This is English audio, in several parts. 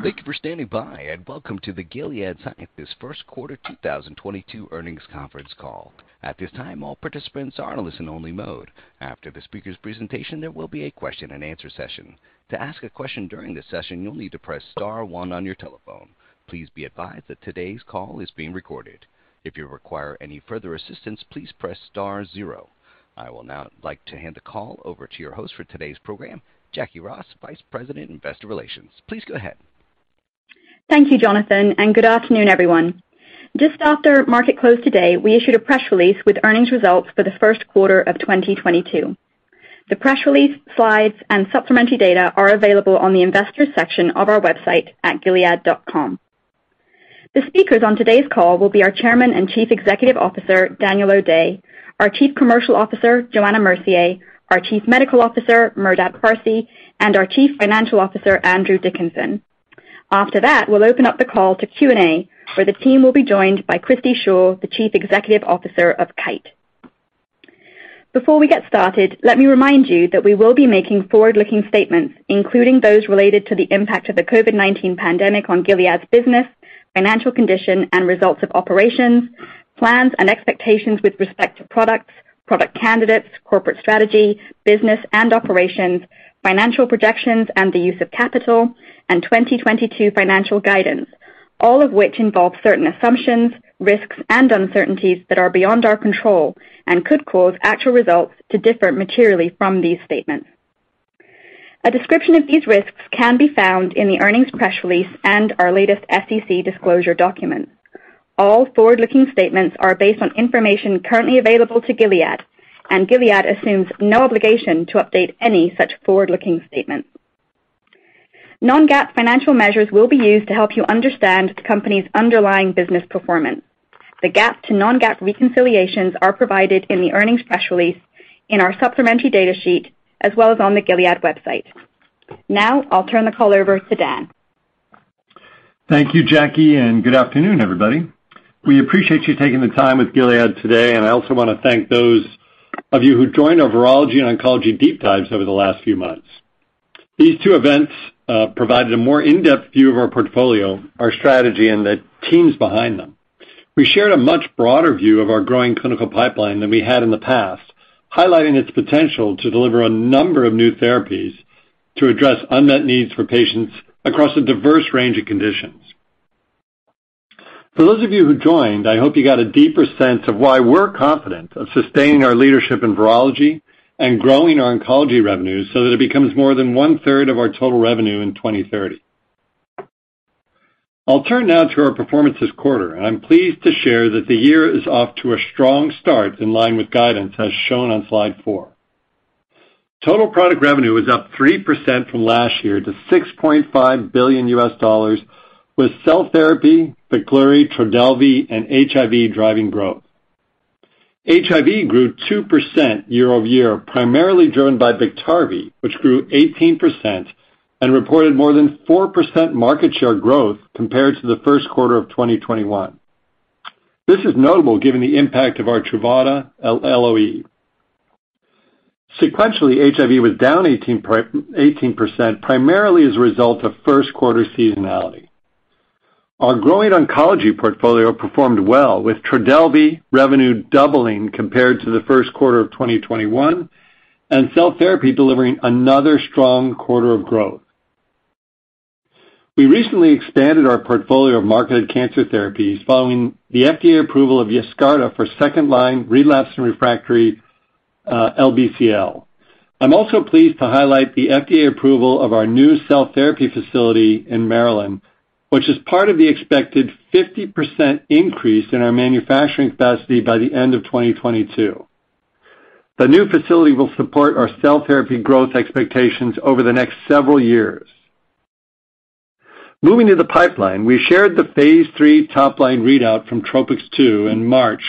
Thank you for standing by, and welcome to the Gilead Sciences first quarter 2022 earnings conference call. At this time, all participants are in listen-only mode. After the speaker's presentation, there will be a question and answer session. To ask a question during this session, you'll need to press star one on your telephone. Please be advised that today's call is being recorded. If you require any further assistance, please press star zero. I'd like to hand the call over to your host for today's program, Jacquie Ross, Vice President, Investor Relations. Please go ahead. Thank you, Jonathan, and good afternoon, everyone. Just after market close today, we issued a press release with earnings results for the first quarter of 2022. The press release, slides, and supplementary data are available on the investors section of our website at gilead.com. The speakers on today's call will be our Chairman and Chief Executive Officer, Daniel O'Day, our Chief Commercial Officer, Johanna Mercier, our Chief Medical Officer, Merdad Parsey, and our Chief Financial Officer, Andrew Dickinson. After that, we'll open up the call to Q&A, where the team will be joined by Christi Shaw, the Chief Executive Officer of Kite. Before we get started, let me remind you that we will be making forward-looking statements, including those related to the impact of the COVID-19 pandemic on Gilead's business, financial condition and results of operations, plans and expectations with respect to products, product candidates, corporate strategy, business and operations, financial projections and the use of capital, and 2022 financial guidance, all of which involve certain assumptions, risks, and uncertainties that are beyond our control and could cause actual results to differ materially from these statements. A description of these risks can be found in the earnings press release and our latest SEC disclosure document. All forward-looking statements are based on information currently available to Gilead, and Gilead assumes no obligation to update any such forward-looking statement. Non-GAAP financial measures will be used to help you understand the company's underlying business performance. The GAAP to non-GAAP reconciliations are provided in the earnings press release in our supplementary data sheet, as well as on the Gilead website. Now, I'll turn the call over to Dan. Thank you, Jacquie, and good afternoon, everybody. We appreciate you taking the time with Gilead today, and I also wanna thank those of you who joined our virology and oncology deep dives over the last few months. These two events provided a more in-depth view of our portfolio, our strategy and the teams behind them. We shared a much broader view of our growing clinical pipeline than we had in the past, highlighting its potential to deliver a number of new therapies to address unmet needs for patients across a diverse range of conditions. For those of you who joined, I hope you got a deeper sense of why we're confident of sustaining our leadership in virology and growing our oncology revenues so that it becomes more than one-third of our total revenue in 2030. I'll turn now to our performance this quarter, and I'm pleased to share that the year is off to a strong start in line with guidance as shown on slide 4. Total product revenue was up 3% from last year to $6.5 billion with cell therapy, Biktarvy, Trodelvy, and HIV driving growth. HIV grew 2% year-over-year, primarily driven by Biktarvy, which grew 18% and reported more than 4% market share growth compared to the first quarter of 2021. This is notable given the impact of our Truvada LOE. Sequentially, HIV was down 18%, primarily as a result of first quarter seasonality. Our growing oncology portfolio performed well, with Trodelvy revenue doubling compared to the first quarter of 2021, and cell therapy delivering another strong quarter of growth. We recently expanded our portfolio of marketed cancer therapies following the FDA approval of Yescarta for second-line relapse and refractory LBCL. I'm also pleased to highlight the FDA approval of our new cell therapy facility in Maryland, which is part of the expected 50% increase in our manufacturing capacity by the end of 2022. The new facility will support our cell therapy growth expectations over the next several years. Moving to the pipeline, we shared the phase 3 top-line readout from TROPiCS-02 in March,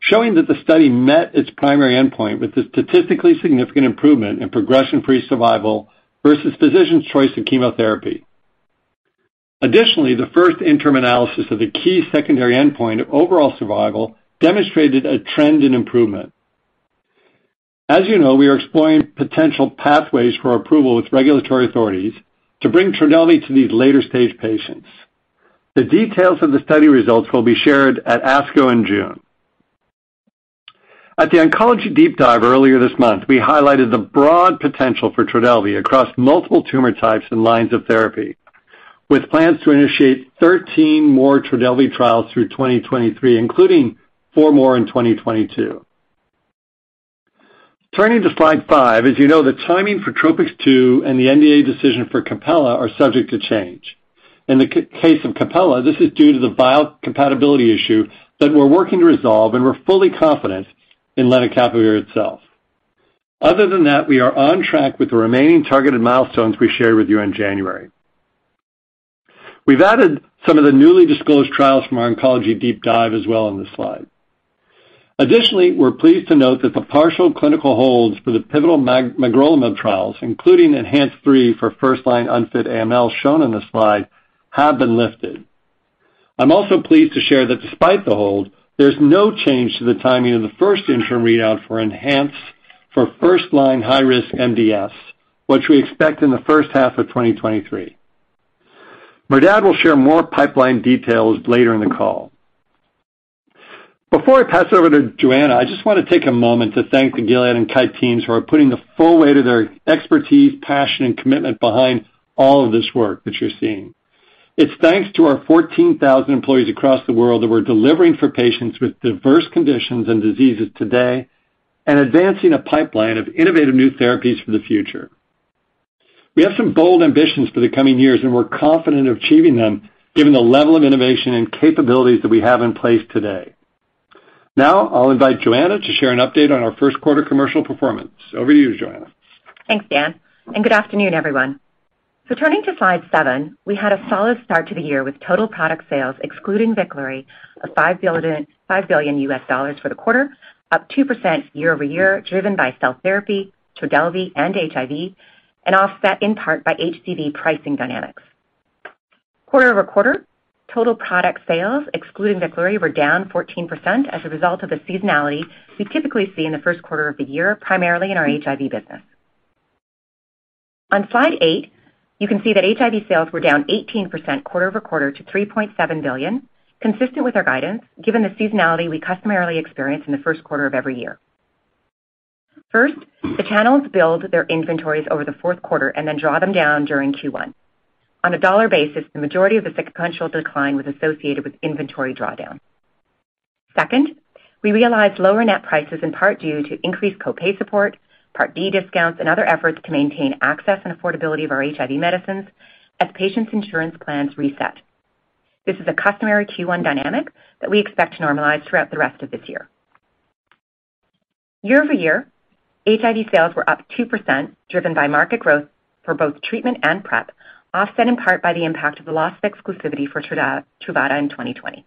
showing that the study met its primary endpoint with a statistically significant improvement in progression-free survival versus physician's choice of chemotherapy. Additionally, the first interim analysis of the key secondary endpoint of overall survival demonstrated a trend in improvement. As you know, we are exploring potential pathways for approval with regulatory authorities to bring Trodelvy to these later-stage patients. The details of the study results will be shared at ASCO in June. At the oncology deep dive earlier this month, we highlighted the broad potential for Trodelvy across multiple tumor types and lines of therapy, with plans to initiate 13 more Trodelvy trials through 2023, including 4 more in 2022. Turning to slide 5, as you know, the timing for TROPiCS-02 and the NDA decision for CAPELLA are subject to change. In the case of CAPELLA, this is due to the biocompatibility issue that we're working to resolve, and we're fully confident in lenacapavir itself. Other than that, we are on track with the remaining targeted milestones we shared with you in January. We've added some of the newly disclosed trials from our oncology deep dive as well on this slide. Additionally, we're pleased to note that the partial clinical holds for the pivotal magrolimab trials, including ENHANCE-3 for first-line unfit AML shown in the slide, have been lifted. I'm also pleased to share that despite the hold, there's no change to the timing of the first interim readout for ENHANCE for first-line high-risk MDS, which we expect in the first half of 2023. Merdad will share more pipeline details later in the call. Before I pass it over to Johanna, I just want to take a moment to thank the Gilead and Kite teams who are putting the full weight of their expertise, passion, and commitment behind all of this work that you're seeing. It's thanks to our 14,000 employees across the world that we're delivering for patients with diverse conditions and diseases today and advancing a pipeline of innovative new therapies for the future. We have some bold ambitions for the coming years, and we're confident of achieving them given the level of innovation and capabilities that we have in place today. Now, I'll invite Johanna to share an update on our first quarter commercial performance. Over to you, Johanna. Thanks, Dan, and good afternoon, everyone. Turning to slide seven, we had a solid start to the year with total product sales excluding Veklury of $5 billion for the quarter, up 2% year-over-year, driven by cell therapy, Trodelvy and HIV, and offset in part by HCV pricing dynamics. Quarter-over-quarter, total product sales excluding Veklury were down 14% as a result of the seasonality we typically see in the first quarter of the year, primarily in our HIV business. On slide eight, you can see that HIV sales were down 18% quarter-over-quarter to $3.7 billion, consistent with our guidance, given the seasonality we customarily experience in the first quarter of every year. First, the channels build their inventories over the fourth quarter and then draw them down during Q1. On a dollar basis, the majority of the sequential decline was associated with inventory drawdown. Second, we realized lower net prices in part due to increased co-pay support, Part D discounts, and other efforts to maintain access and affordability of our HIV medicines as patients' insurance plans reset. This is a customary Q1 dynamic that we expect to normalize throughout the rest of this year. Year-over-year, HIV sales were up 2%, driven by market growth for both treatment and PrEP, offset in part by the impact of the loss of exclusivity for Truvada in 2020.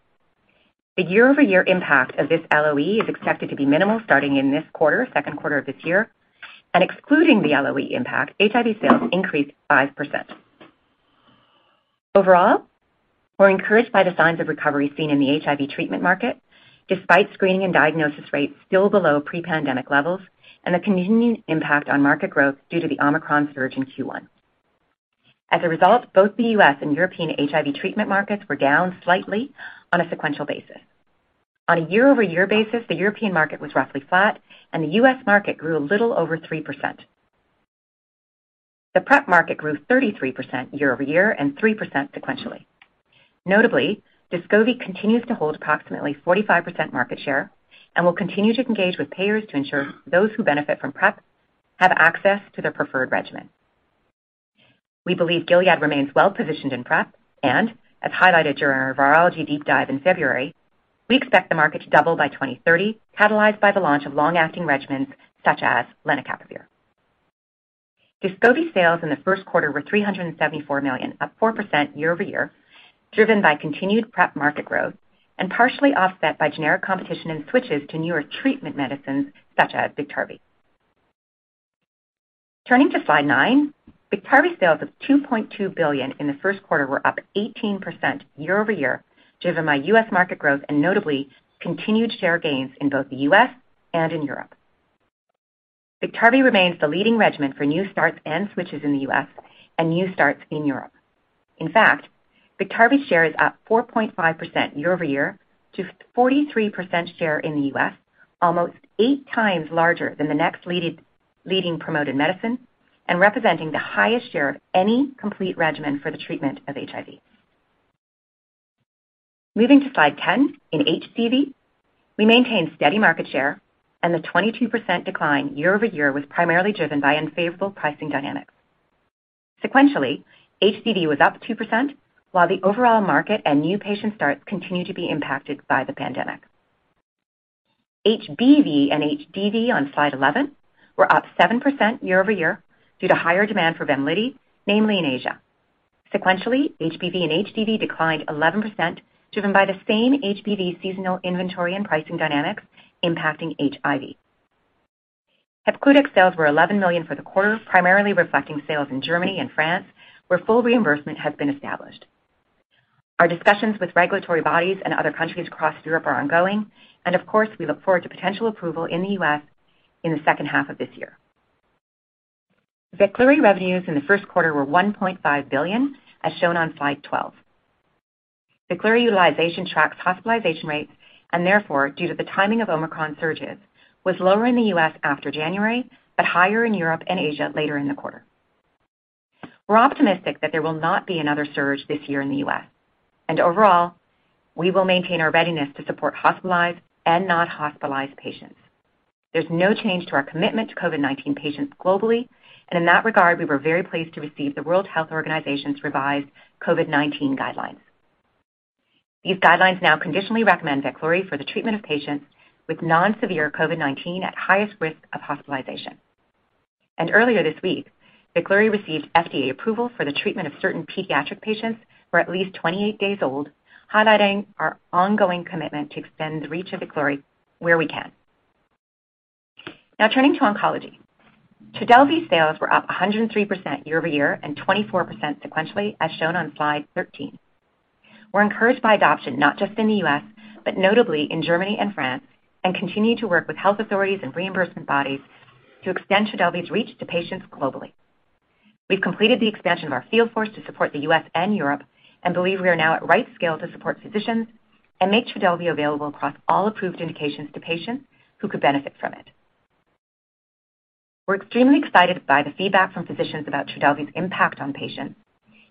The year-over-year impact of this LOE is expected to be minimal starting in this quarter, second quarter of this year. Excluding the LOE impact, HIV sales increased 5%. Overall, we're encouraged by the signs of recovery seen in the HIV treatment market despite screening and diagnosis rates still below pre-pandemic levels and the continuing impact on market growth due to the Omicron surge in Q1. As a result, both the U.S. and European HIV treatment markets were down slightly on a sequential basis. On a year-over-year basis, the European market was roughly flat and the U.S. market grew a little over 3%. The PrEP market grew 33% year-over-year and 3% sequentially. Notably, Descovy continues to hold approximately 45% market share and will continue to engage with payers to ensure those who benefit from PrEP have access to their preferred regimen. We believe Gilead remains well-positioned in PrEP, and as highlighted during our virology deep dive in February, we expect the market to double by 2030, catalyzed by the launch of long-acting regimens such as lenacapavir. Descovy sales in the first quarter were $374 million, up 4% year-over-year, driven by continued PrEP market growth and partially offset by generic competition and switches to newer treatment medicines such as Biktarvy. Turning to slide nine, Biktarvy sales of $2.2 billion in the first quarter were up 18% year-over-year, driven by U.S. market growth and notably continued share gains in both the US and in Europe. Biktarvy remains the leading regimen for new starts and switches in the US and new starts in Europe. In fact, Biktarvy share is up 4.5% year-over-year to 43% share in the U.S., almost 8 times larger than the next leading promoted medicine and representing the highest share of any complete regimen for the treatment of HIV. Moving to slide 10, in HCV, we maintained steady market share and the 22% decline year-over-year was primarily driven by unfavorable pricing dynamics. Sequentially, HCV was up 2%, while the overall market and new patient starts continue to be impacted by the pandemic. HBV and HDV on slide 11 were up 7% year-over-year due to higher demand for Vemlidy, namely in Asia. Sequentially, HBV and HDV declined 11%, driven by the same HBV seasonal inventory and pricing dynamics impacting HIV. Hepcludex sales were $11 million for the quarter, primarily reflecting sales in Germany and France, where full reimbursement has been established. Our discussions with regulatory bodies and other countries across Europe are ongoing, and of course, we look forward to potential approval in the U.S. in the second half of this year. Veklury revenues in the first quarter were $1.5 billion, as shown on slide 12. Veklury utilization tracks hospitalization rates, and therefore, due to the timing of Omicron surges, was lower in the U.S. after January, but higher in Europe and Asia later in the quarter. We're optimistic that there will not be another surge this year in the U.S. Overall, we will maintain our readiness to support hospitalized and not hospitalized patients. There's no change to our commitment to COVID-19 patients globally, and in that regard, we were very pleased to receive the World Health Organization's revised COVID-19 guidelines. These guidelines now conditionally recommend Veklury for the treatment of patients with non-severe COVID-19 at highest risk of hospitalization. Earlier this week, Veklury received FDA approval for the treatment of certain pediatric patients who are at least 28 days old, highlighting our ongoing commitment to extend the reach of Veklury where we can. Now turning to oncology. Trodelvy's sales were up 103% year-over-year and 24% sequentially, as shown on slide 13. We're encouraged by adoption not just in the U.S., but notably in Germany and France, and continue to work with health authorities and reimbursement bodies to extend Trodelvy's reach to patients globally. We've completed the expansion of our field force to support the U.S. and Europe, and believe we are now at right scale to support physicians and make Trodelvy available across all approved indications to patients who could benefit from it. We're extremely excited by the feedback from physicians about Trodelvy's impact on patients,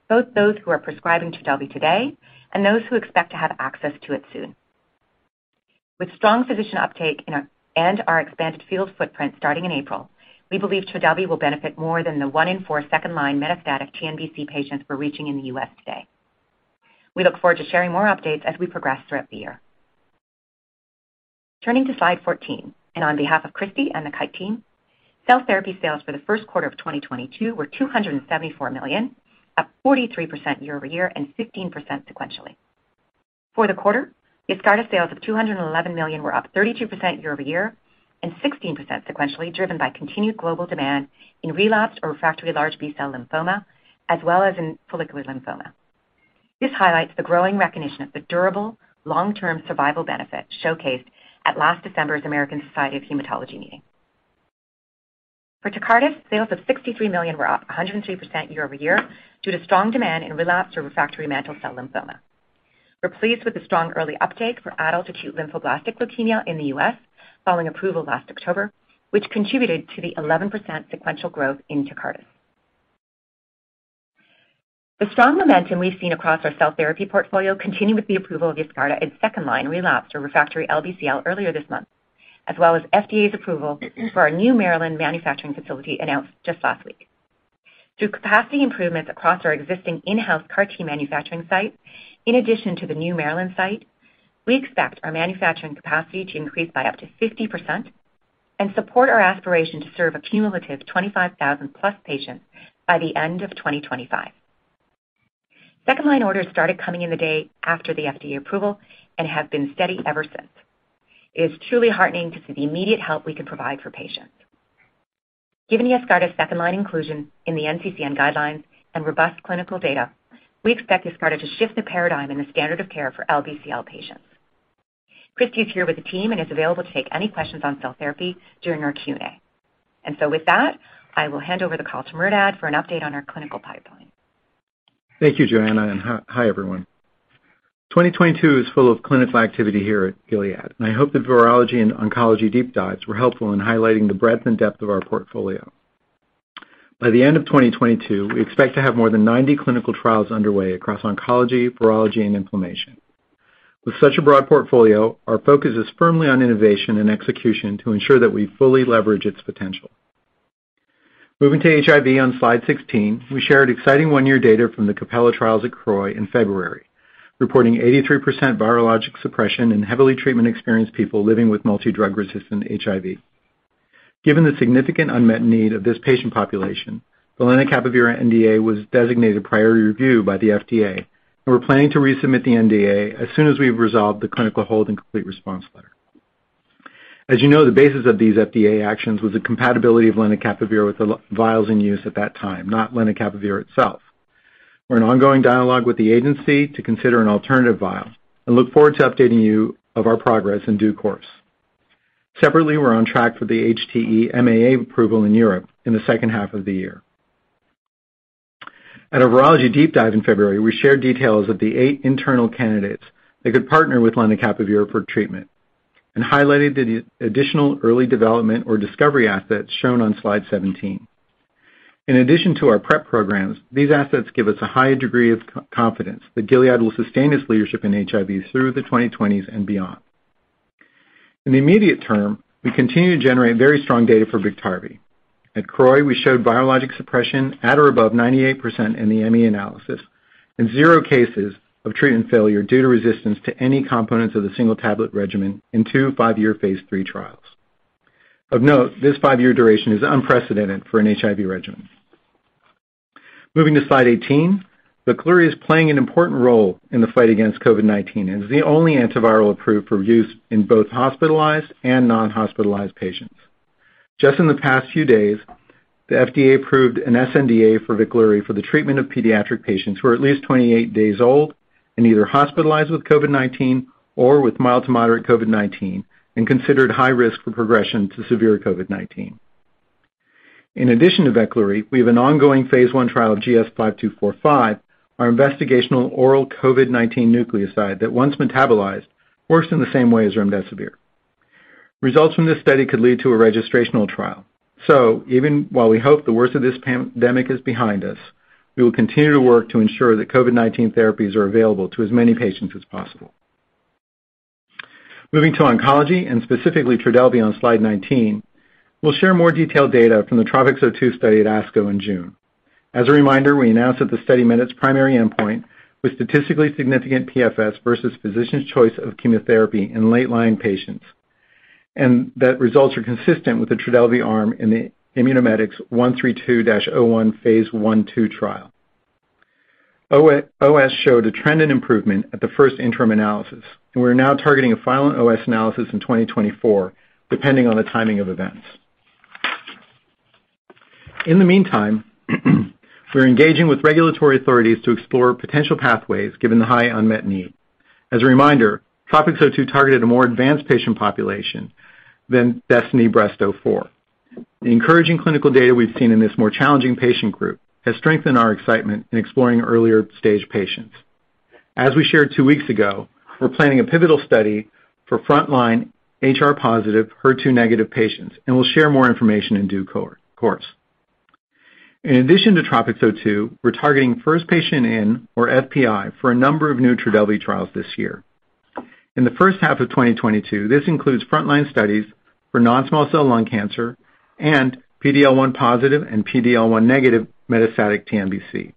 both those who are prescribing Trodelvy today and those who expect to have access to it soon. With strong physician uptake and our expanded field footprint starting in April, we believe Trodelvy will benefit more than the one in four second line metastatic TNBC patients we're reaching in the U.S. today. We look forward to sharing more updates as we progress throughout the year. Turning to slide 14, on behalf of Christi and the Kite team, cell therapy sales for the first quarter of 2022 were $274 million, up 43% year-over-year and 15% sequentially. For the quarter, Yescarta sales of $211 million were up 32% year-over-year and 16% sequentially, driven by continued global demand in relapsed or refractory large B-cell lymphoma, as well as in follicular lymphoma. This highlights the growing recognition of the durable long-term survival benefit showcased at last December's American Society of Hematology meeting. For Tecartus, sales of $63 million were up 103% year-over-year due to strong demand in relapsed or refractory mantle cell lymphoma. We're pleased with the strong early uptake for adult acute lymphoblastic leukemia in the U.S. following approval last October, which contributed to the 11% sequential growth in Tecartus. The strong momentum we've seen across our cell therapy portfolio continued with the approval of Yescarta in second-line relapsed or refractory LBCL earlier this month, as well as FDA's approval for our new Maryland manufacturing facility announced just last week. Through capacity improvements across our existing in-house CAR T manufacturing site, in addition to the new Maryland site, we expect our manufacturing capacity to increase by up to 50% and support our aspiration to serve a cumulative more than 25,000 patients by the end of 2025. Second-line orders started coming in the day after the FDA approval and have been steady ever since. It is truly heartening to see the immediate help we can provide for patients. Given Yescarta second-line inclusion in the NCCN guidelines and robust clinical data, we expect Yescarta to shift the paradigm in the standard of care for LBCL patients. Christi is here with the team and is available to take any questions on cell therapy during our Q&A. With that, I will hand over the call to Merdad for an update on our clinical pipeline. Thank you, Johanna, and hi, everyone. 2022 is full of clinical activity here at Gilead, and I hope the virology and oncology deep dives were helpful in highlighting the breadth and depth of our portfolio. By the end of 2022, we expect to have more than 90 clinical trials underway across oncology, virology and inflammation. With such a broad portfolio, our focus is firmly on innovation and execution to ensure that we fully leverage its potential. Moving to HIV on slide 16, we shared exciting 1-year data from the CAPELLA trials at CROI in February, reporting 83% virologic suppression in heavily treatment-experienced people living with multi-drug-resistant HIV. Given the significant unmet need of this patient population, the lenacapavir NDA was designated priority review by the FDA, and we're planning to resubmit the NDA as soon as we've resolved the clinical hold and complete response letter. As you know, the basis of these FDA actions was the compatibility of lenacapavir with the vials in use at that time, not lenacapavir itself. We're in ongoing dialogue with the agency to consider an alternative vial and look forward to updating you of our progress in due course. Separately, we're on track for the HTE MAA approval in Europe in the second half of the year. At our virology deep dive in February, we shared details of the 8 internal candidates that could partner with lenacapavir for treatment and highlighted the additional early development or discovery assets shown on slide 17. In addition to our PrEP programs, these assets give us a high degree of confidence that Gilead will sustain its leadership in HIV through the 2020s and beyond. In the immediate term, we continue to generate very strong data for Biktarvy. At CROI, we showed biologic suppression at or above 98% in the ME analysis and 0 cases of treatment failure due to resistance to any components of the single tablet regimen in two 5-year phase 3 trials. Of note, this 5-year duration is unprecedented for an HIV regimen. Moving to slide 18. Veklury is playing an important role in the fight against COVID-19 and is the only antiviral approved for use in both hospitalized and non-hospitalized patients. Just in the past few days, the FDA approved an sNDA for Veklury for the treatment of pediatric patients who are at least 28 days old and either hospitalized with COVID-19 or with mild to moderate COVID-19 and considered high risk for progression to severe COVID-19. In addition to Veklury, we have an ongoing phase 1 trial of GS-5245, our investigational oral COVID-19 nucleoside that once metabolized, works in the same way as remdesivir. Results from this study could lead to a registrational trial. Even while we hope the worst of this pandemic is behind us, we will continue to work to ensure that COVID-19 therapies are available to as many patients as possible. Moving to oncology and specifically Trodelvy on slide 19, we'll share more detailed data from the TROPiCS-02 study at ASCO in June. As a reminder, we announced that the study met its primary endpoint with statistically significant PFS versus physician's choice of chemotherapy in late line patients, and that results are consistent with the Trodelvy arm in the Immunomedics 132-01 phase 1/2 trial. OS showed a trend in improvement at the first interim analysis, and we're now targeting a final OS analysis in 2024, depending on the timing of events. In the meantime, we're engaging with regulatory authorities to explore potential pathways given the high unmet need. As a reminder, TROPiCS-02 targeted a more advanced patient population than DESTINY-Breast04. The encouraging clinical data we've seen in this more challenging patient group has strengthened our excitement in exploring earlier stage patients. As we shared two weeks ago, we're planning a pivotal study for frontline HR-positive, HER2-negative patients, and we'll share more information in due course. In addition to TROPiCS-02, we're targeting first patient in or FPI for a number of new Trodelvy trials this year. In the first half of 2022, this includes frontline studies for non-small cell lung cancer and PD-L1 positive and PD-L1 negative metastatic TNBC.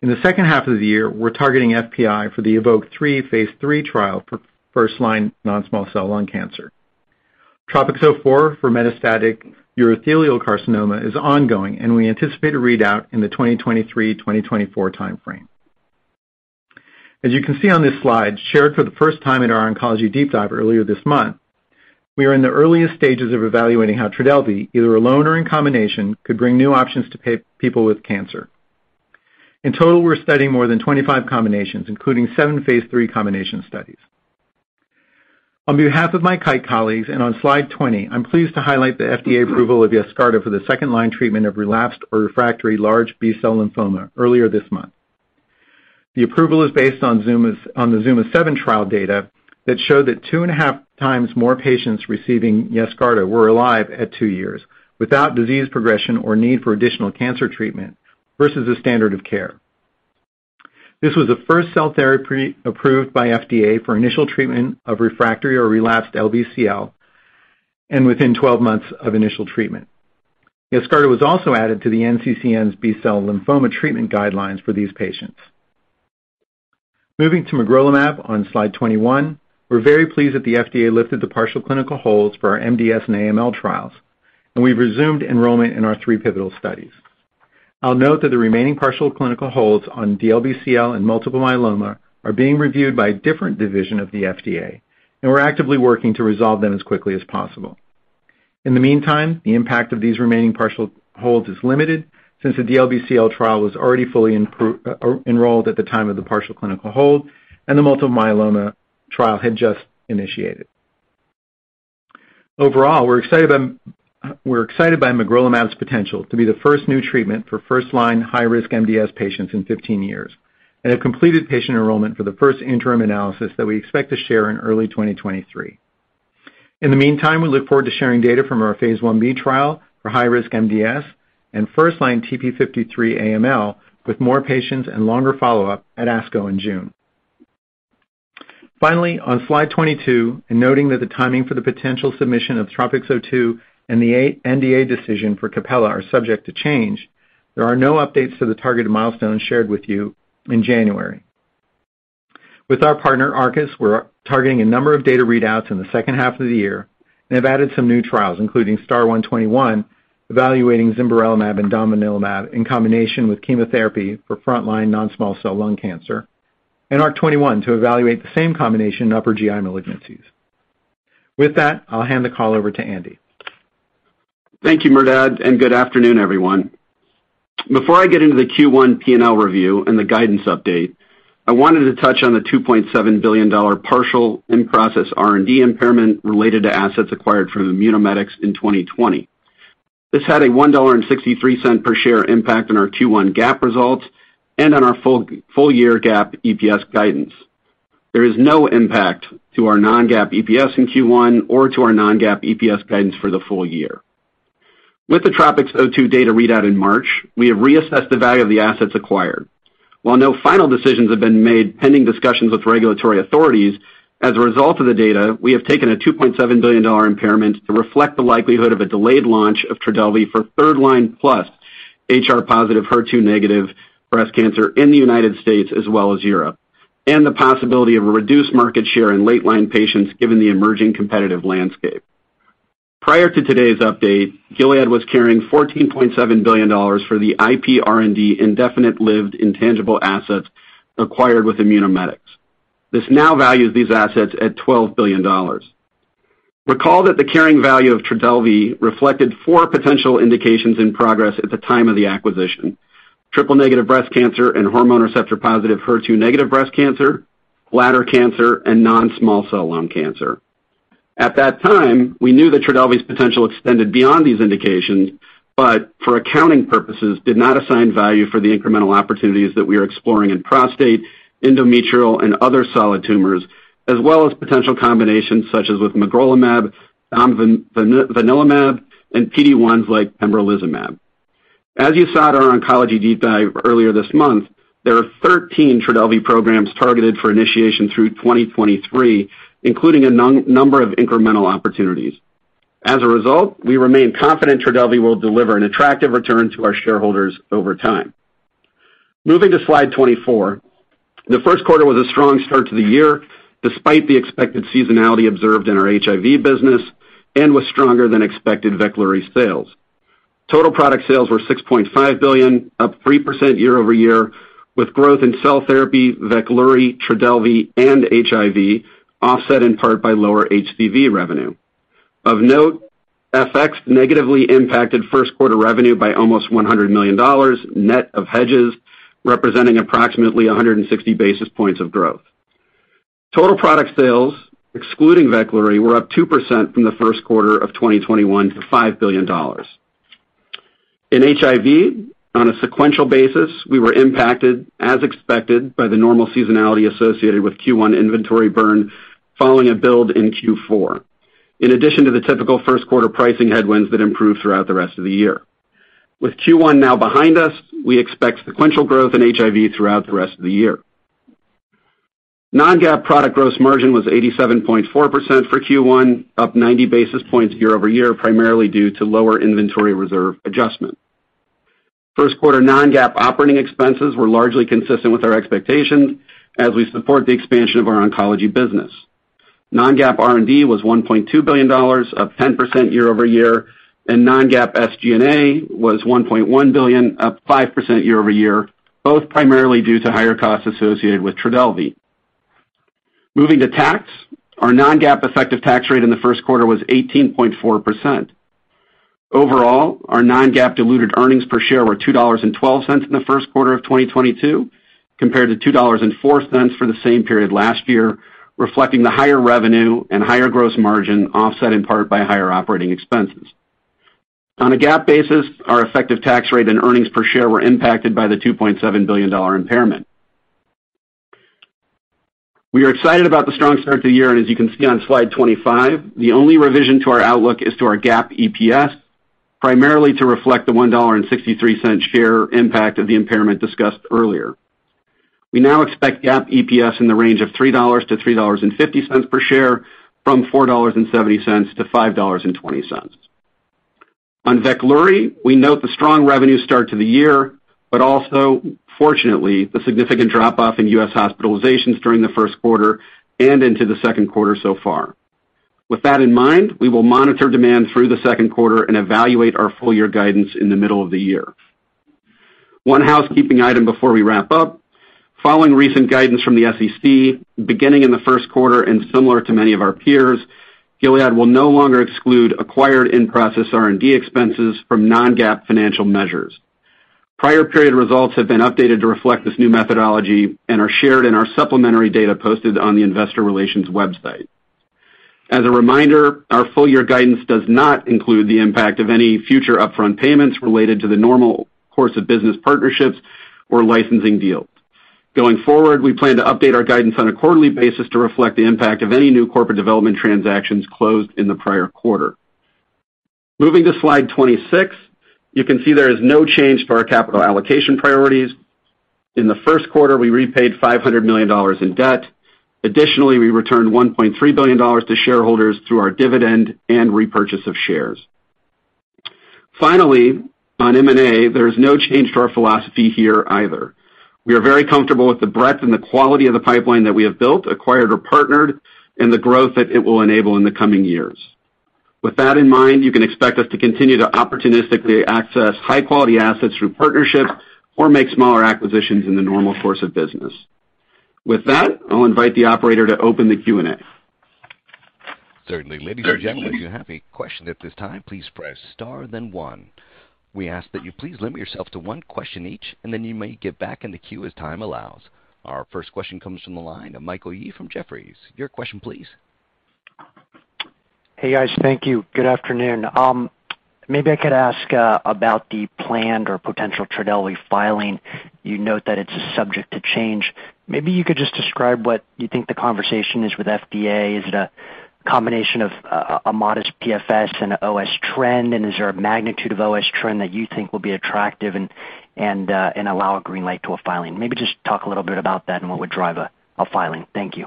In the second half of the year, we're targeting FPI for the EVOKE-03 phase 3 trial for first-line non-small cell lung cancer. TROPiCS-04 for metastatic urothelial carcinoma is ongoing, and we anticipate a readout in the 2023/2024 timeframe. As you can see on this slide, shared for the first time at our oncology deep dive earlier this month, we are in the earliest stages of evaluating how Trodelvy, either alone or in combination, could bring new options to people with cancer. In total, we're studying more than 25 combinations, including seven phase 3 combination studies. On behalf of my Kite colleagues, on slide 20, I'm pleased to highlight the FDA approval of Yescarta for the second-line treatment of relapsed or refractory large B-cell lymphoma earlier this month. The approval is based on the Zuma-7 trial data that show that 2.5 times more patients receiving Yescarta were alive at 2 years without disease progression or need for additional cancer treatment versus the standard of care. This was the first cell therapy approved by FDA for initial treatment of refractory or relapsed LBCL and within 12 months of initial treatment. Yescarta was also added to the NCCN's B-cell lymphoma treatment guidelines for these patients. Moving to magrolimab on slide 21, we're very pleased that the FDA lifted the partial clinical holds for our MDS and AML trials, and we've resumed enrollment in our three pivotal studies. I'll note that the remaining partial clinical holds on DLBCL and multiple myeloma are being reviewed by a different division of the FDA, and we're actively working to resolve them as quickly as possible. In the meantime, the impact of these remaining partial holds is limited since the DLBCL trial was already fully enrolled at the time of the partial clinical hold and the multiple myeloma trial had just initiated. Overall, we're excited by magrolimab's potential to be the first new treatment for first-line high-risk MDS patients in 15 years and have completed patient enrollment for the first interim analysis that we expect to share in early 2023. In the meantime, we look forward to sharing data from our phase 1B trial for high-risk MDS and first-line TP53 AML with more patients and longer follow-up at ASCO in June. Finally, on slide 22, in noting that the timing for the potential submission of TROPiCS-02 and the sNDA decision for CAPELLA are subject to change, there are no updates to the targeted milestones shared with you in January. With our partner, Arcus, we're targeting a number of data readouts in the second half of the year and have added some new trials, including STAR-121, evaluating zimberelimab and domvanalimab in combination with chemotherapy for frontline non-small cell lung cancer, and ARC-21 to evaluate the same combination in upper GI malignancies. With that, I'll hand the call over to Andy. Thank you, Merdad, and good afternoon, everyone. Before I get into the Q1 P&L review and the guidance update, I wanted to touch on the $2.7 billion partial in-process R&D impairment related to assets acquired from Immunomedics in 2020. This had a $1.63 per share impact on our Q1 GAAP results and on our full-year GAAP EPS guidance. There is no impact to our non-GAAP EPS in Q1 or to our non-GAAP EPS guidance for the full year. With the TROPiCS-02 data readout in March, we have reassessed the value of the assets acquired. While no final decisions have been made pending discussions with regulatory authorities, as a result of the data, we have taken a $2.7 billion impairment to reflect the likelihood of a delayed launch of Trodelvy for third-line plus HR-positive, HER2-negative breast cancer in the United States as well as Europe. The possibility of a reduced market share in late-line patients given the emerging competitive landscape. Prior to today's update, Gilead was carrying $14.7 billion for the IPR&D indefinite-lived intangible assets acquired with Immunomedics. This now values these assets at $12 billion. Recall that the carrying value of Trodelvy reflected four potential indications in progress at the time of the acquisition. Triple-negative breast cancer and hormone receptor-positive HER2-negative breast cancer, bladder cancer, and non-small cell lung cancer. At that time, we knew that Trodelvy's potential extended beyond these indications, but for accounting purposes, did not assign value for the incremental opportunities that we are exploring in prostate, endometrial, and other solid tumors, as well as potential combinations such as with magrolimab, domvanalimab, and PD-1s like pembrolizumab. As you saw at our oncology deep dive earlier this month, there are 13 Trodelvy programs targeted for initiation through 2023, including a number of incremental opportunities. As a result, we remain confident Trodelvy will deliver an attractive return to our shareholders over time. Moving to slide 24. The first quarter was a strong start to the year despite the expected seasonality observed in our HIV business and was stronger than expected Veklury sales. Total product sales were $6.5 billion, up 3% year-over-year, with growth in cell therapy, Veklury, Trodelvy and HIV offset in part by lower HDV revenue. Of note, FX negatively impacted first quarter revenue by almost $100 million net of hedges, representing approximately 160 basis points of growth. Total product sales, excluding Veklury, were up 2% from the first quarter of 2021 to $5 billion. In HIV, on a sequential basis, we were impacted, as expected by the normal seasonality associated with Q1 inventory burn following a build in Q4, in addition to the typical first quarter pricing headwinds that improve throughout the rest of the year. With Q1 now behind us, we expect sequential growth in HIV throughout the rest of the year. Non-GAAP product gross margin was 87.4% for Q1, up 90 basis points year-over-year, primarily due to lower inventory reserve adjustment. First quarter non-GAAP operating expenses were largely consistent with our expectations as we support the expansion of our oncology business. Non-GAAP R&D was $1.2 billion, up 10% year-over-year, and non-GAAP SG&A was $1.1 billion, up 5% year-over-year, both primarily due to higher costs associated with Trodelvy. Moving to tax, our non-GAAP effective tax rate in the first quarter was 18.4%. Overall, our non-GAAP diluted earnings per share were $2.12 in the first quarter of 2022, compared to $2.04 for the same period last year, reflecting the higher revenue and higher gross margin, offset in part by higher operating expenses. On a GAAP basis, our effective tax rate and earnings per share were impacted by the $2.7 billion impairment. We are excited about the strong start to the year, and as you can see on slide 25, the only revision to our outlook is to our GAAP EPS, primarily to reflect the $1.63 per share impact of the impairment discussed earlier. We now expect GAAP EPS in the range of $3 to $3.50 per share, from $4.70 to $5.20. On Veklury, we note the strong revenue start to the year, but also fortunately the significant drop-off in U.S. hospitalizations during the first quarter and into the second quarter so far. With that in mind, we will monitor demand through the second quarter and evaluate our full year guidance in the middle of the year. One housekeeping item before we wrap up. Following recent guidance from the SEC, beginning in the first quarter and similar to many of our peers, Gilead will no longer exclude acquired in-process R&D expenses from non-GAAP financial measures. Prior period results have been updated to reflect this new methodology and are shared in our supplementary data posted on the investor relations website. As a reminder, our full year guidance does not include the impact of any future upfront payments related to the normal course of business partnerships or licensing deals. Going forward, we plan to update our guidance on a quarterly basis to reflect the impact of any new corporate development transactions closed in the prior quarter. Moving to slide 26, you can see there is no change for our capital allocation priorities. In the first quarter, we repaid $500 million in debt. Additionally, we returned $1.3 billion to shareholders through our dividend and repurchase of shares. Finally, on M&A, there is no change to our philosophy here either. We are very comfortable with the breadth and the quality of the pipeline that we have built, acquired or partnered, and the growth that it will enable in the coming years. With that in mind, you can expect us to continue to opportunistically access high quality assets through partnerships or make smaller acquisitions in the normal course of business. With that, I'll invite the operator to open the Q&A. Certainly. Ladies and gentlemen, if you have a question at this time, please press star then one. We ask that you please limit yourself to one question each, and then you may get back in the queue as time allows. Our first question comes from the line of Michael Yee from Jefferies. Your question please. Hey, guys. Thank you. Good afternoon. Maybe I could ask about the planned or potential Trodelvy filing. You note that it's subject to change. Maybe you could just describe what you think the conversation is with FDA. Is it a combination of a modest PFS and OS trend? And is there a magnitude of OS trend that you think will be attractive and allow a green light to a filing? Maybe just talk a little bit about that and what would drive a filing. Thank you.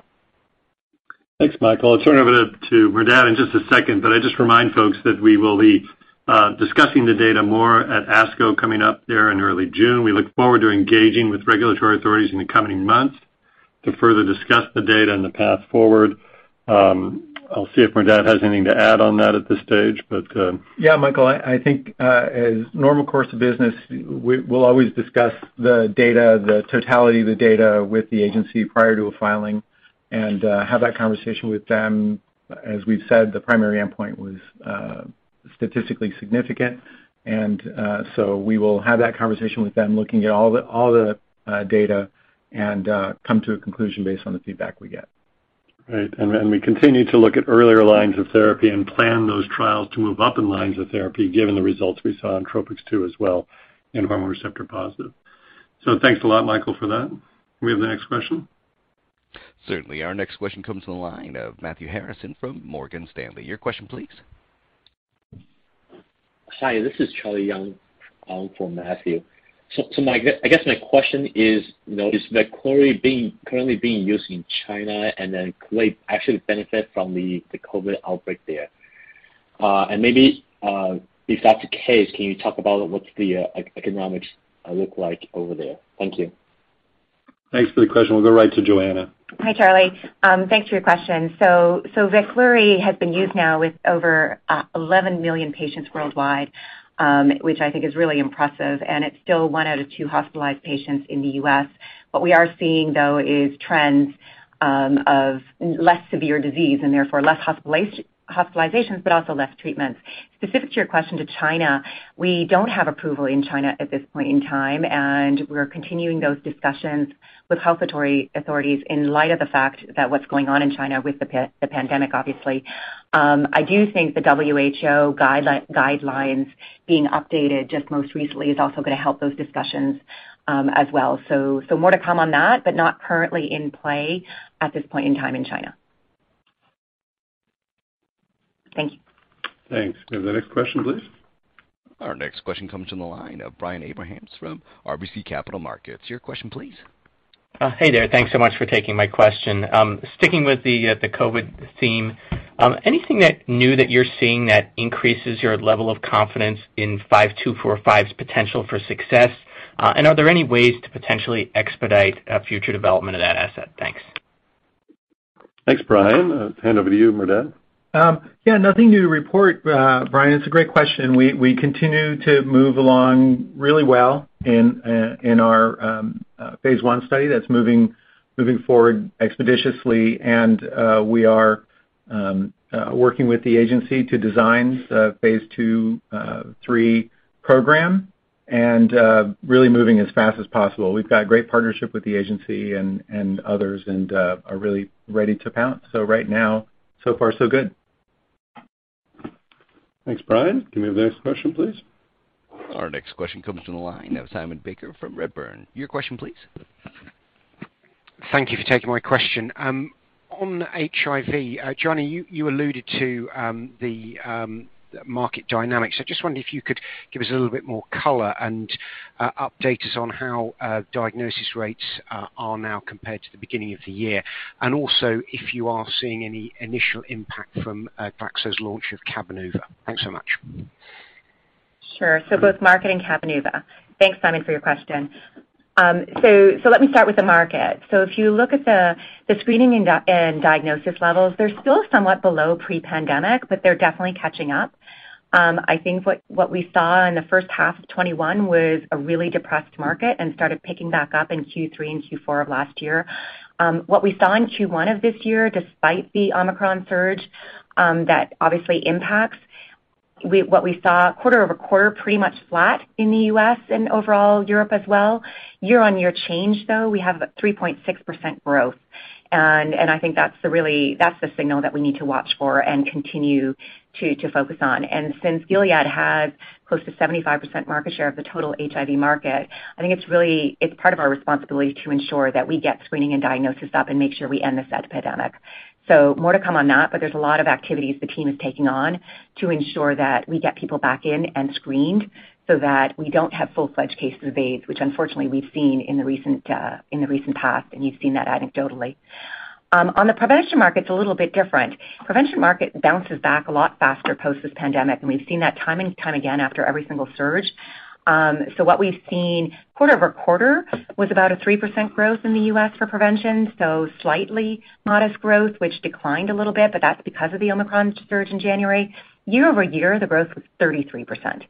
Thanks, Michael. I'll turn it over to Merdad Parsey in just a second, but I'd just remind folks that we will be discussing the data more at ASCO coming up there in early June. We look forward to engaging with regulatory authorities in the coming months to further discuss the data and the path forward. I'll see if Merdad Parsey has anything to add on that at this stage, but. Yeah, Michael, I think as normal course of business, we'll always discuss the data, the totality of the data with the agency prior to a filing and have that conversation with them. As we've said, the primary endpoint was statistically significant and so we will have that conversation with them, looking at all the data and come to a conclusion based on the feedback we get. Right. We continue to look at earlier lines of therapy and plan those trials to move up in lines of therapy given the results we saw in TROPiCS-02 as well in HR-positive. Thanks a lot, Michael, for that. Can we have the next question? Certainly. Our next question comes from the line of Matthew Harrison from Morgan Stanley. Your question please. Hi, this is Charlie Yang for Matthew. I guess my question is, you know, is Veklury currently being used in China and then could it actually benefit from the COVID outbreak there? Maybe, if that's the case, can you talk about what's the economics look like over there? Thank you. Thanks for the question. We'll go right to Johanna. Hi, Charlie. Thanks for your question. Veklury has been used now with over 11 million patients worldwide, which I think is really impressive, and it's still one out of two hospitalized patients in the U.S. What we are seeing, though, is trends of less severe disease and therefore less hospitalizations, but also less treatments. Specific to your question to China, we don't have approval in China at this point in time, and we're continuing those discussions with health authorities in light of the fact that what's going on in China with the pandemic, obviously. I do think the WHO guidelines being updated just most recently is also gonna help those discussions, as well. More to come on that, but not currently in play at this point in time in China. Thank you. Thanks. Can we have the next question, please? Our next question comes from the line of Brian Abrahams from RBC Capital Markets. Your question, please. Hey there. Thanks so much for taking my question. Sticking with the COVID-19 theme, anything new that you're seeing that increases your level of confidence in GS-5245's potential for success? And are there any ways to potentially expedite future development of that asset? Thanks. Thanks, Brian. I'll hand over to you, Merdad. Yeah, nothing new to report, Brian. It's a great question. We continue to move along really well in our phase 1 study. That's moving forward expeditiously and we are working with the agency to design the phase 2/3 program and really moving as fast as possible. We've got great partnership with the agency and others and are really ready to pounce. Right now, so far so good. Thanks, Brian. Can we have the next question, please? Our next question comes from the line of Simon Baker from Redburn. Your question, please. Thank you for taking my question. On HIV, Johanna, you alluded to the market dynamics. I just wondered if you could give us a little bit more color and update us on how diagnosis rates are now compared to the beginning of the year. Also if you are seeing any initial impact from Glaxo's launch of Cabenuva. Thanks so much. Sure. Both market and Cabenuva. Thanks, Simon, for your question. Let me start with the market. If you look at the screening and diagnosis levels, they're still somewhat below pre-pandemic, but they're definitely catching up. I think what we saw in the first half of 2021 was a really depressed market and started picking back up in Q3 and Q4 of last year. What we saw in Q1 of this year, despite the Omicron surge, that obviously impacts what we saw quarter-over-quarter, pretty much flat in the U.S. and overall Europe as well. Year-on-year change, though, we have 3.6% growth. I think that's the signal that we need to watch for and continue to focus on. Since Gilead has close to 75% market share of the total HIV market, I think it's really, it's part of our responsibility to ensure that we get screening and diagnosis up and make sure we end this epidemic. More to come on that, but there's a lot of activities the team is taking on to ensure that we get people back in and screened so that we don't have full-fledged cases of AIDS, which unfortunately we've seen in the recent past, and you've seen that anecdotally. On the prevention market, it's a little bit different. Prevention market bounces back a lot faster post this pandemic, and we've seen that time and time again after every single surge. What we've seen quarter-over-quarter was about a 3% growth in the U.S. for prevention, so slightly modest growth, which declined a little bit, but that's because of the Omicron surge in January. Year-over-year, the growth was 33%.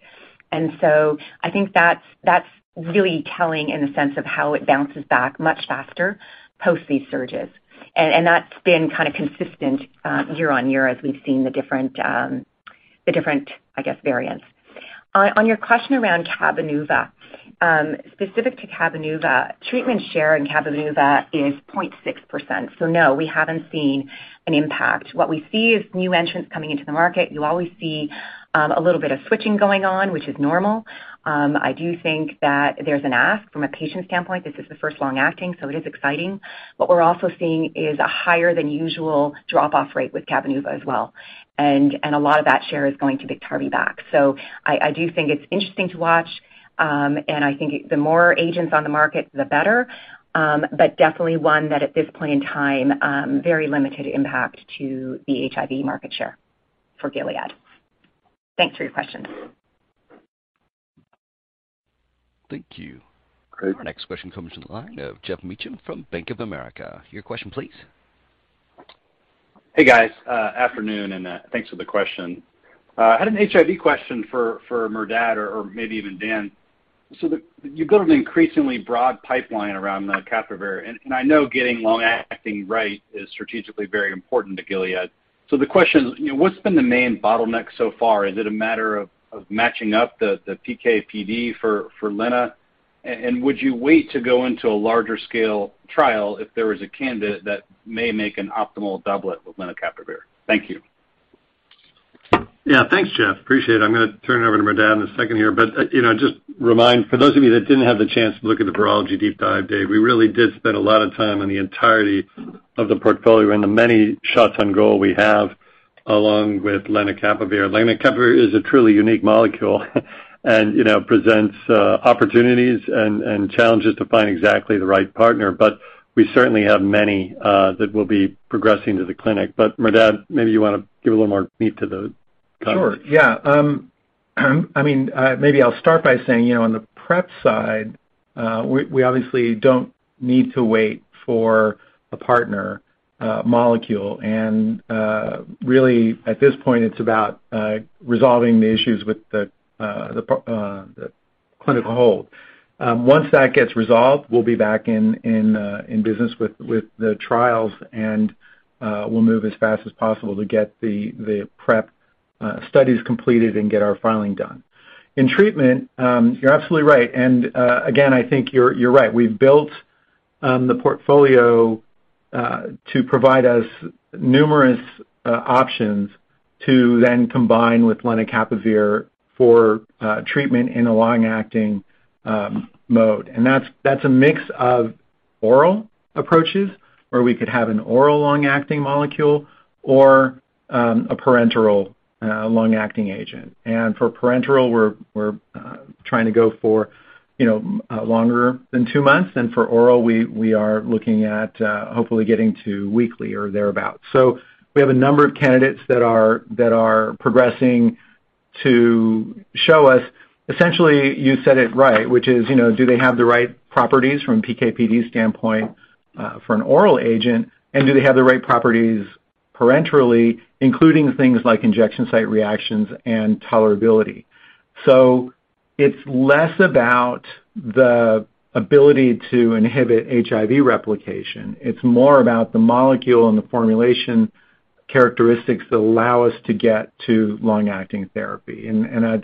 I think that's really telling in the sense of how it bounces back much faster post these surges. That's been kind of consistent year-on-year as we've seen the different, I guess, variants. On your question around Cabenuva, specific to Cabenuva, treatment share in Cabenuva is 0.6%. No, we haven't seen an impact. What we see is new entrants coming into the market. You always see a little bit of switching going on, which is normal. I do think that there's an ask from a patient standpoint. This is the first long-acting, so it is exciting. What we're also seeing is a higher than usual drop-off rate with Cabenuva as well. A lot of that share is going to Biktarvy back. I do think it's interesting to watch, and I think the more agents on the market, the better. But definitely one that at this point in time, very limited impact to the HIV market share for Gilead. Thanks for your questions. Thank you. Our next question comes from the line of Geoff Meacham from Bank of America. Your question, please. Hey, guys. Afternoon, and thanks for the question. I had an HIV question for Merdad or maybe even Daniel. You've got an increasingly broad pipeline around the lenacapavir, and I know getting long-acting right is strategically very important to Gilead. The question is, you know, what's been the main bottleneck so far? Is it a matter of matching up the PK/PD for lenna? And would you wait to go into a larger scale trial if there was a candidate that may make an optimal doublet with lenacapavir? Thank you. Yeah. Thanks, Geoff. Appreciate it. I'm gonna turn it over to Merdad in a second here. You know, just remind, for those of you that didn't have the chance to look at the virology deep dive day, we really did spend a lot of time on the entirety of the portfolio and the many shots on goal we have along with lenacapavir. Lenacapavir is a truly unique molecule, and you know, presents opportunities and challenges to find exactly the right partner. We certainly have many that we'll be progressing to the clinic. Merdad, maybe you wanna give a little more meat to the comments. I mean, maybe I'll start by saying, you know, on the prep side, we obviously don't need to wait for a partner molecule. Really, at this point, it's about resolving the issues with the clinical hold. Once that gets resolved, we'll be back in business with the trials and we'll move as fast as possible to get the prep studies completed and get our filing done. In treatment, you're absolutely right. Again, I think you're right. We've built the portfolio to provide us numerous options to then combine with lenacapavir for treatment in a long-acting mode. That's a mix of oral approaches, where we could have an oral long-acting molecule or a parenteral long-acting agent. For parenteral, we're trying to go for, you know, longer than two months. For oral, we are looking at hopefully getting to weekly or thereabout. We have a number of candidates that are progressing to show us. Essentially, you said it right, which is, you know, do they have the right properties from PK/PD standpoint for an oral agent, and do they have the right properties parenterally, including things like injection site reactions and tolerability. It's less about the ability to inhibit HIV replication. It's more about the molecule and the formulation characteristics that allow us to get to long-acting therapy.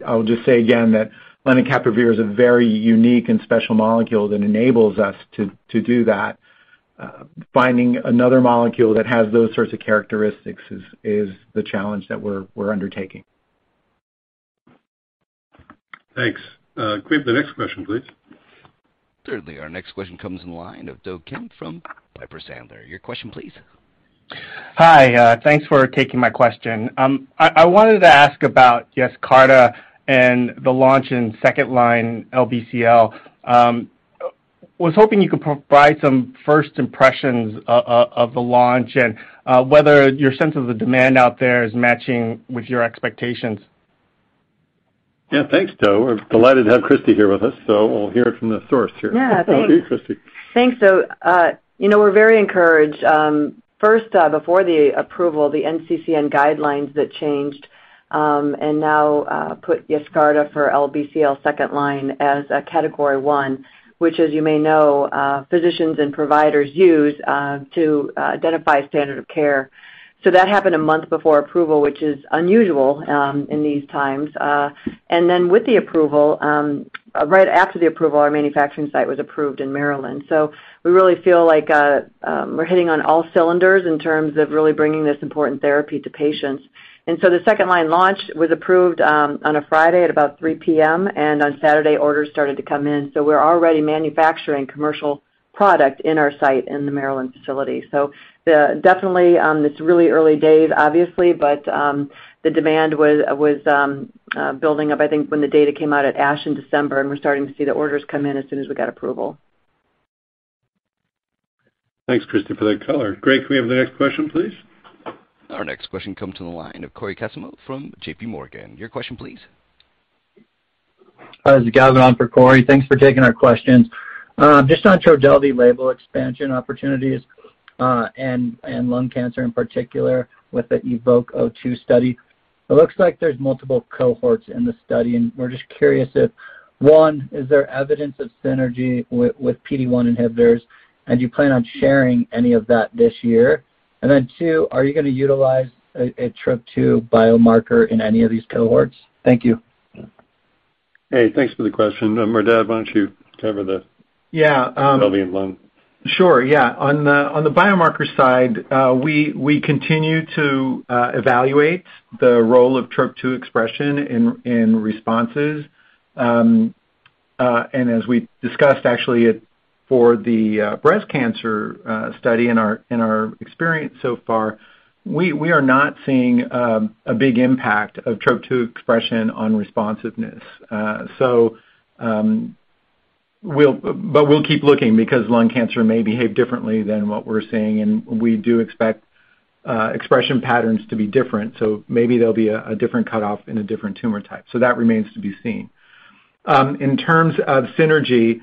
I'll just say again that lenacapavir is a very unique and special molecule that enables us to do that. Finding another molecule that has those sorts of characteristics is the challenge that we're undertaking. Thanks. Greg, the next question, please. Certainly. Our next question comes in line of Do Kim from Piper Sandler. Your question, please. Hi. Thanks for taking my question. I wanted to ask about Yescarta and the launch in second-line LBCL. Was hoping you could provide some first impressions of the launch and whether your sense of the demand out there is matching with your expectations. Yeah, thanks, Do. We're delighted to have Christi here with us, so we'll hear it from the source here. Yeah, thanks. Over to you, Christi. Thanks, Do. You know, we're very encouraged. First, before the approval, the NCCN guidelines changed and now put Yescarta for LBCL second line as a category one, which as you may know, physicians and providers use to identify standard of care. That happened a month before approval, which is unusual in these times. Then with the approval, right after the approval, our manufacturing site was approved in Maryland. We really feel like we're hitting on all cylinders in terms of really bringing this important therapy to patients. The second line launch was approved on a Friday at about 3 P.M., and on Saturday, orders started to come in. We're already manufacturing commercial product in our site in the Maryland facility. The... Definitely, it's really early days, obviously, but the demand was building up, I think, when the data came out at ASH in December, and we're starting to see the orders come in as soon as we got approval. Thanks, Christi, for that color. Greg, can we have the next question, please? Our next question comes to the line of Cory Kasimov from J.P. Morgan. Your question, please. Hi, this is Gavin on for Cory. Thanks for taking our questions. Just on Trodelvy label expansion opportunities, and lung cancer in particular with the EVOKE-02 study. It looks like there's multiple cohorts in the study, and we're just curious if, one, is there evidence of synergy with PD-1 inhibitors, and do you plan on sharing any of that this year? Two, are you gonna utilize a TROP-2 biomarker in any of these cohorts? Thank you. Hey, thanks for the question. Merdad, why don't you cover the Yeah, Trodelvy and lung? Sure, yeah. On the biomarker side, we continue to evaluate the role of TROP-2 expression in responses. As we discussed actually for the breast cancer study in our experience so far, we are not seeing a big impact of TROP-2 expression on responsiveness. We'll keep looking because lung cancer may behave differently than what we're seeing, and we do expect expression patterns to be different. Maybe there'll be a different cutoff in a different tumor type. That remains to be seen. In terms of synergy,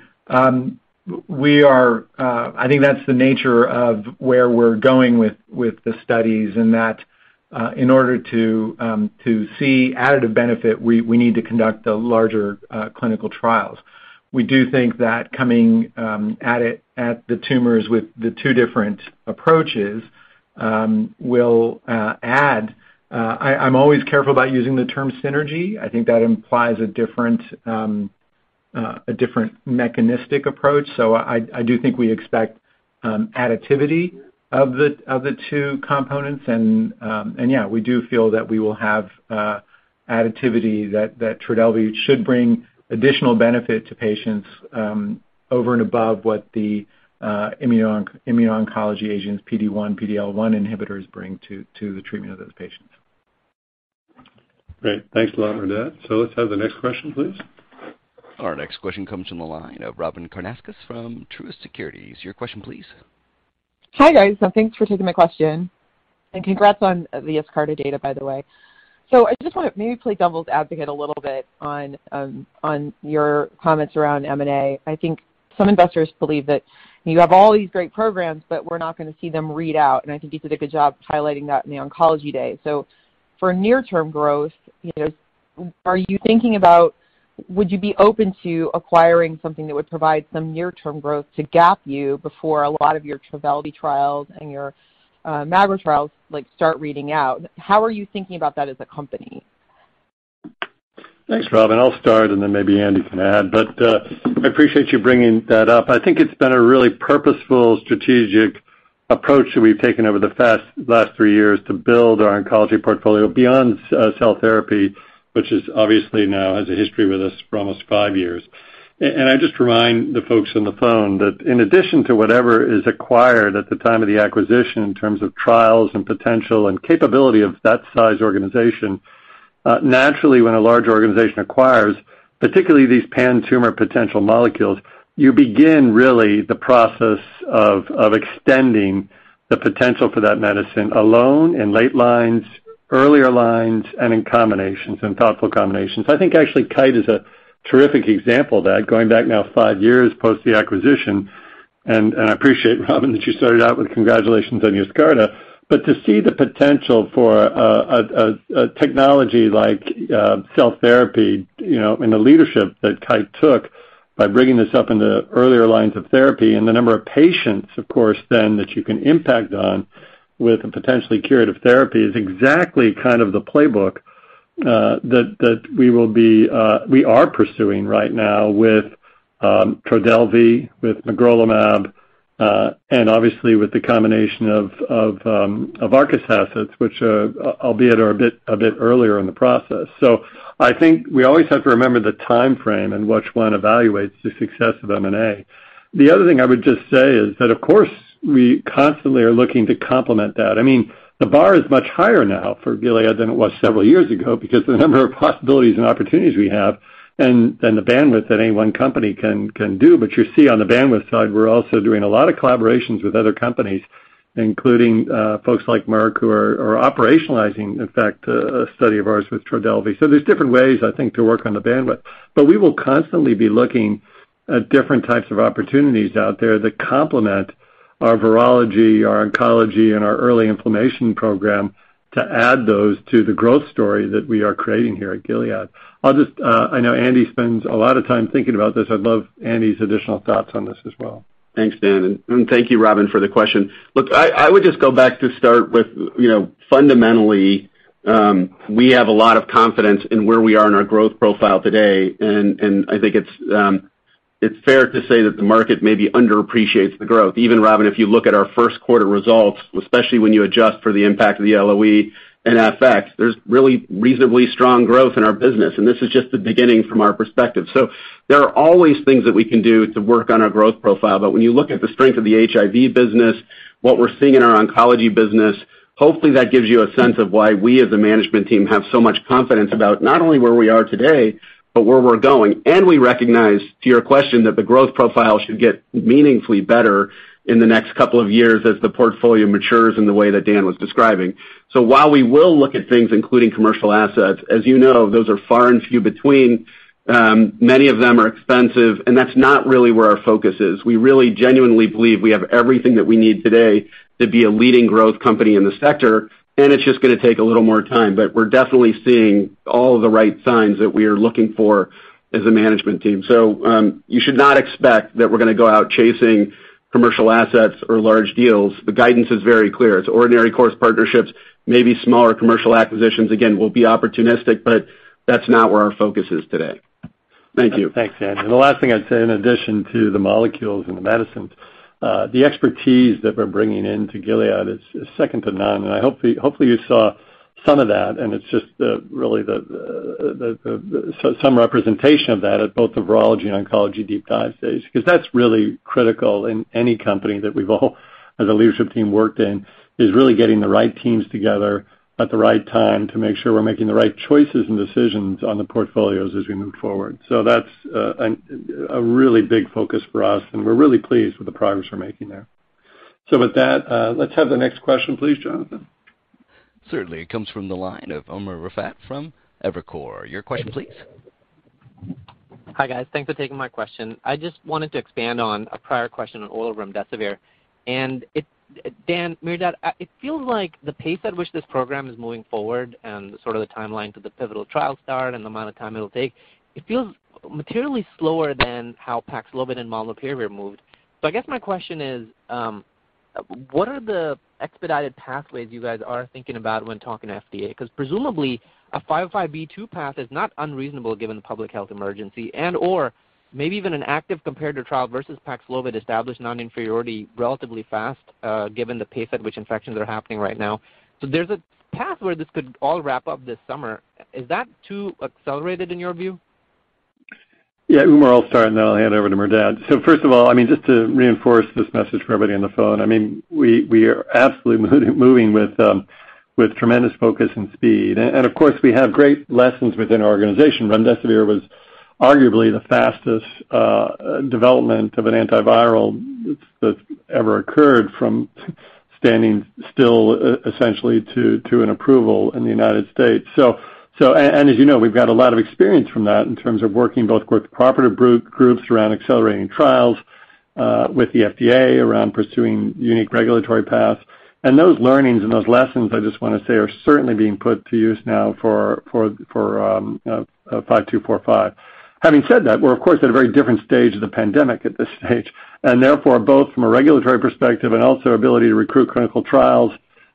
we are. I think that's the nature of where we're going with the studies, and that in order to see additive benefit, we need to conduct the larger clinical trials. We do think that coming at the tumors with the two different approaches will add. I'm always careful about using the term synergy. I think that implies a different mechanistic approach. I do think we expect additivity of the two components. Yeah, we do feel that we will have additivity that Trodelvy should bring additional benefit to patients over and above what the immuno-oncology agents, PD-1, PD-L1 inhibitors bring to the treatment of those patients. Great. Thanks a lot, Merdad. Let's have the next question, please. Our next question comes from the line of Robyn Karnauskas from Truist Securities. Your question, please. Hi, guys. Thanks for taking my question, and congrats on the Yescarta data, by the way. I just wanna maybe play devil's advocate a little bit on your comments around M&A. I think some investors believe that you have all these great programs, but we're not gonna see them read out, and I think you did a good job highlighting that in the oncology day. For near-term growth, you know, are you thinking about would you be open to acquiring something that would provide some near-term growth to gap you before a lot of your Trodelvy trials and your magrolimab trials, like, start reading out? How are you thinking about that as a company? Thanks, Robin. I'll start, and then maybe Andy can add. I appreciate you bringing that up. I think it's been a really purposeful strategic approach that we've taken over the last three years to build our oncology portfolio beyond CAR T-cell therapy, which is obviously now has a history with us for almost five years. I just remind the folks on the phone that in addition to whatever is acquired at the time of the acquisition in terms of trials and potential and capability of that size organization, naturally, when a large organization acquires, particularly these pan-tumor potential molecules, you begin really the process of extending the potential for that medicine alone in late lines, earlier lines, and in combinations, in thoughtful combinations. I think actually Kite is a terrific example that going back now five years post the acquisition, I appreciate, Robin, that you started out with congratulations on Yescarta. To see the potential for a technology like cell therapy, you know, and the leadership that Kite took by bringing this up into earlier lines of therapy and the number of patients, of course, then that you can impact on with a potentially curative therapy is exactly kind of the playbook that we are pursuing right now with Trodelvy, with magrolimab, and obviously with the combination of Arcus assets, which albeit are a bit earlier in the process. I think we always have to remember the timeframe in which one evaluates the success of M&A. The other thing I would just say is that, of course, we constantly are looking to complement that. I mean, the bar is much higher now for Gilead than it was several years ago because the number of possibilities and opportunities we have and the bandwidth that any one company can do. You see on the bandwidth side, we're also doing a lot of collaborations with other companies, including folks like Merck who are operationalizing, in fact, a study of ours with Trodelvy. There's different ways, I think, to work on the bandwidth. We will constantly be looking at different types of opportunities out there that complement our virology, our oncology, and our early inflammation program to add those to the growth story that we are creating here at Gilead. I'll just... I know Andy spends a lot of time thinking about this. I'd love Andy's additional thoughts on this as well. Thanks, Dan, and thank you, Robin, for the question. Look, I would just go back to start with, you know, fundamentally, we have a lot of confidence in where we are in our growth profile today. I think it's fair to say that the market maybe underappreciates the growth. Even, Robin, if you look at our first quarter results, especially when you adjust for the impact of the LOE and FX, there's really reasonably strong growth in our business, and this is just the beginning from our perspective. There are always things that we can do to work on our growth profile. When you look at the strength of the HIV business, what we're seeing in our oncology business, hopefully, that gives you a sense of why we as a management team have so much confidence about not only where we are today, but where we're going. We recognize, to your question, that the growth profile should get meaningfully better in the next couple of years as the portfolio matures in the way that Dan was describing. While we will look at things including commercial assets, as you know, those are far and few between. Many of them are expensive, and that's not really where our focus is. We really genuinely believe we have everything that we need today to be a leading growth company in the sector, and it's just gonna take a little more time. We're definitely seeing all the right signs that we are looking for as a management team. You should not expect that we're gonna go out chasing commercial assets or large deals. The guidance is very clear. It's ordinary course partnerships, maybe smaller commercial acquisitions. Again, we'll be opportunistic, but that's not where our focus is today. Thank you. Thanks, Andy. The last thing I'd say in addition to the molecules and the medicines, the expertise that we're bringing into Gilead is second to none, and I hope you saw some of that, and it's just really some representation of that at both the virology and oncology deep dive stage 'cause that's really critical in any company that we've all as a leadership team worked in is really getting the right teams together at the right time to make sure we're making the right choices and decisions on the portfolios as we move forward. That's a really big focus for us, and we're really pleased with the progress we're making there. With that, let's have the next question please, Jonathan. Certainly. It comes from the line of Umer Raffat from Evercore. Your question, please. Hi, guys. Thanks for taking my question. I just wanted to expand on a prior question on oral remdesivir. It feels like the pace at which this program is moving forward and sort of the timeline to the pivotal trial start and the amount of time it'll take, it feels materially slower than how Paxlovid and molnupiravir moved. I guess my question is, what are the expedited pathways you guys are thinking about when talking to FDA? 'Cause presumably a 505(b)(2) path is not unreasonable given the public health emergency and/or maybe even an active comparator trial versus Paxlovid established non-inferiority relatively fast, given the pace at which infections are happening right now. There's a path where this could all wrap up this summer. Is that too accelerated in your view? Yeah. Umer, I'll start, and then I'll hand over to Merdad. First of all, I mean, just to reinforce this message for everybody on the phone, I mean, we are absolutely moving with tremendous focus and speed. Of course, we have great lessons within our organization. Remdesivir was arguably the fastest development of an antiviral that's ever occurred from standing still, essentially to an approval in the United States. As you know, we've got a lot of experience from that in terms of working both with the cooperative groups around accelerating trials with the FDA around pursuing unique regulatory paths. Those learnings and those lessons, I just wanna say, are certainly being put to use now for GS-5245. Having said that, we're of course at a very different stage of the pandemic at this stage. Therefore, both from a regulatory perspective and also our ability to recruit clinical trials,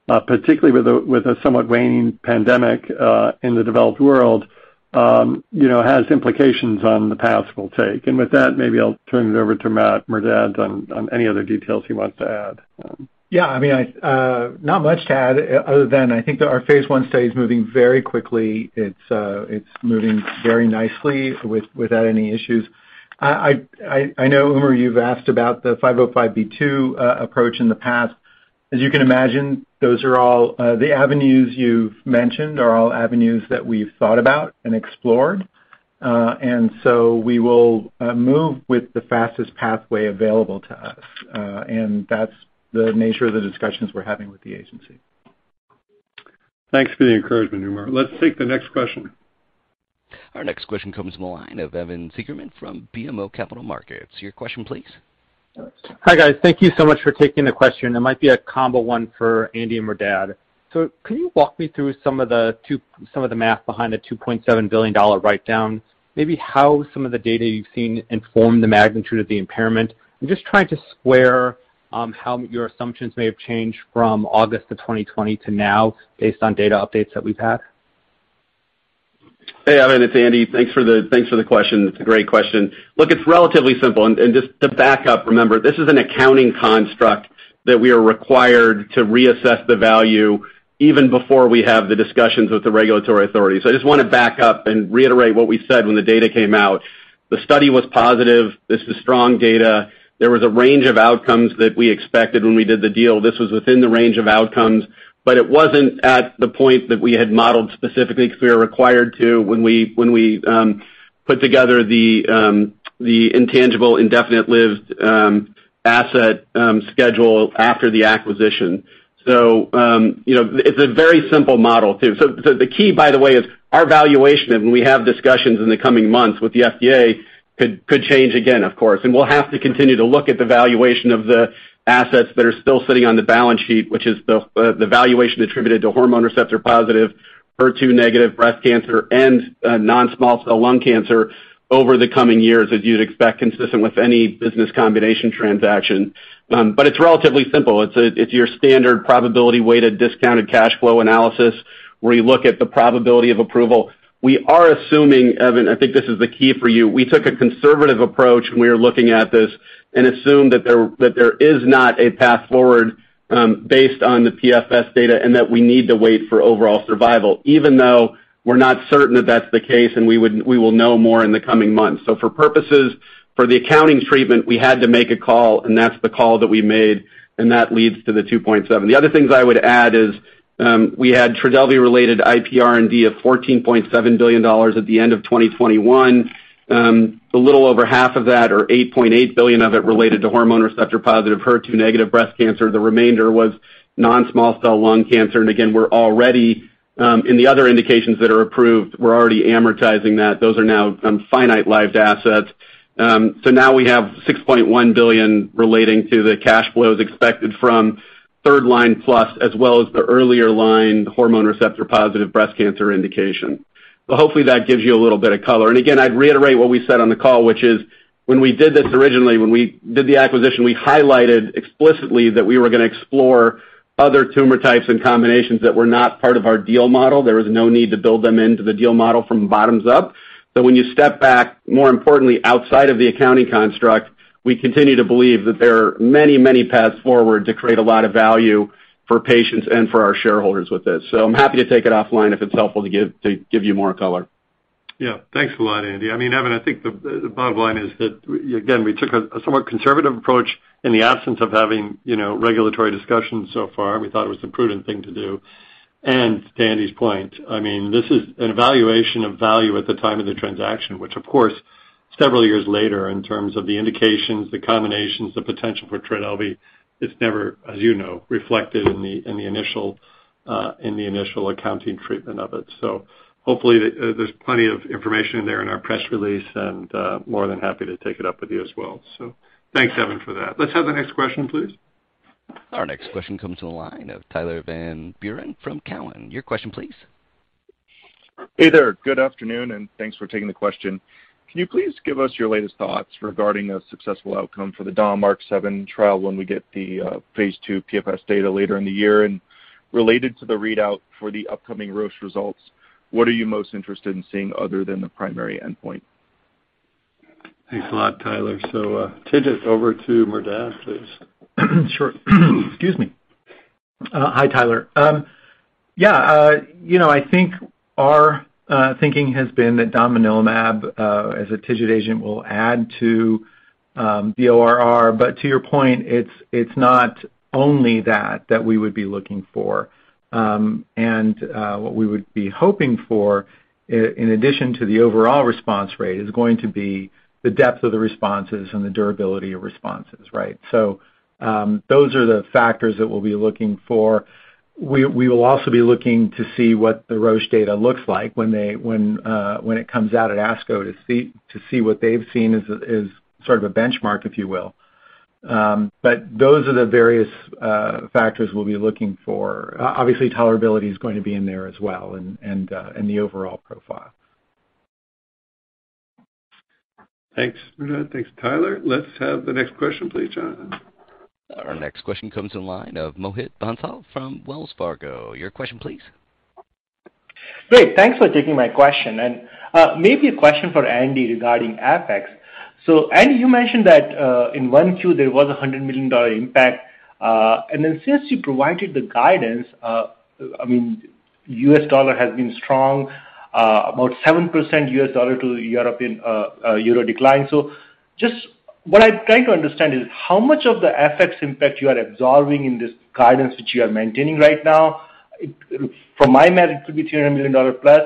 particularly with a somewhat waning pandemic in the developed world, you know, has implications on the paths we'll take. With that, maybe I'll turn it over to Merdad Parsey on any other details he wants to add. Yeah, I mean, not much to add other than I think that our phase 1 study is moving very quickly. It's moving very nicely without any issues. I know, Umer, you've asked about the 505(b)(2) approach in the past. As you can imagine, those are all the avenues you've mentioned, are all avenues that we've thought about and explored. We will move with the fastest pathway available to us, and that's the nature of the discussions we're having with the agency. Thanks for the encouragement, Umer. Let's take the next question. Our next question comes from the line of Evan Seigerman from BMO Capital Markets. Your question, please. Hi, guys. Thank you so much for taking the question. It might be a combo one for Andy and Merdad. Can you walk me through some of the math behind the $2.7 billion write-down, maybe how some of the data you've seen inform the magnitude of the impairment? I'm just trying to square how your assumptions may have changed from August 2020 to now based on data updates that we've had. Hey, Evan, it's Andy. Thanks for the question. It's a great question. Look, it's relatively simple, and just to back up, remember, this is an accounting construct that we are required to reassess the value even before we have the discussions with the regulatory authorities. I just wanna back up and reiterate what we said when the data came out. The study was positive. This is strong data. There was a range of outcomes that we expected when we did the deal. This was within the range of outcomes, but it wasn't at the point that we had modeled specifically because we are required to when we put together the indefinite-lived intangible asset schedule after the acquisition. You know, it's a very simple model too. The key, by the way, is our valuation, and when we have discussions in the coming months with the FDA, could change again, of course. We'll have to continue to look at the valuation of the assets that are still sitting on the balance sheet, which is the valuation attributed to hormone receptor-positive, HER2 negative breast cancer and non-small cell lung cancer over the coming years, as you'd expect, consistent with any business combination transaction. But it's relatively simple. It's your standard probability weighted discounted cash flow analysis, where you look at the probability of approval. We are assuming, Evan, I think this is the key for you. We took a conservative approach when we were looking at this and assumed that there is not a path forward based on the PFS data and that we need to wait for overall survival, even though we're not certain that that's the case and we will know more in the coming months. For purposes of the accounting treatment, we had to make a call, and that's the call that we made, and that leads to the $2.7 billion. The other things I would add is we had Trodelvy related IPR&D of $14.7 billion at the end of 2021. A little over half of that or $8.8 billion of it related to hormone receptor-positive, HER2-negative breast cancer. The remainder was non-small cell lung cancer. Again, we're already in the other indications that are approved, we're already amortizing that. Those are now finite-lived assets. Now we have $6.1 billion relating to the cash flows expected from third-line and beyond as well as the earlier-line hormone receptor-positive breast cancer indication. Hopefully that gives you a little bit of color. Again, I'd reiterate what we said on the call, which is when we did this originally, when we did the acquisition, we highlighted explicitly that we were gonna explore other tumor types and combinations that were not part of our deal model. There was no need to build them into the deal model from bottoms-up. When you step back, more importantly, outside of the accounting construct, we continue to believe that there are many, many paths forward to create a lot of value for patients and for our shareholders with this. I'm happy to take it offline if it's helpful to give you more color. Yeah. Thanks a lot, Andy. I mean, Evan, I think the bottom line is that, again, we took a somewhat conservative approach in the absence of having, you know, regulatory discussions so far. We thought it was the prudent thing to do. To Andy's point, I mean, this is an evaluation of value at the time of the transaction, which of course, several years later in terms of the indications, the combinations, the potential for Trodelvy, it's never, as you know, reflected in the initial accounting treatment of it. Hopefully, there's plenty of information there in our press release, and more than happy to take it up with you as well. Thanks, Evan, for that. Let's have the next question, please. Our next question comes from the line of Tyler Van Buren from Cowen. Your question, please. Hey there. Good afternoon, and thanks for taking the question. Can you please give us your latest thoughts regarding a successful outcome for the ARC-7 trial when we get the phase 2 PFS data later in the year? Related to the readout for the upcoming Roche results, what are you most interested in seeing other than the primary endpoint? Thanks a lot, Tyler. Turn it over to Merdad, please. Sure. Excuse me. Hi, Tyler. Yeah, you know, I think our thinking has been that domvanalimab as a TIGIT agent will add to the ORR. To your point, it's not only that that we would be looking for. What we would be hoping for in addition to the overall response rate is going to be the depth of the responses and the durability of responses, right? Those are the factors that we'll be looking for. We will also be looking to see what the Roche data looks like when it comes out at ASCO to see what they've seen as a sort of a benchmark, if you will. Those are the various factors we'll be looking for. Obviously, tolerability is going to be in there as well and the overall profile. Thanks, Merdad. Thanks, Tyler. Let's have the next question please, John. Our next question comes in line of Mohit Bansal from Wells Fargo. Your question please. Great. Thanks for taking my question. Maybe a question for Andy regarding FX. Andy, you mentioned that in one Q there was a $100 million impact. Then since you provided the guidance, I mean, US dollar has been strong, about 7% US dollar to European euro decline. Just what I'm trying to understand is how much of the FX impact you are absorbing in this guidance which you are maintaining right now. From my math, it could be $200 million plus.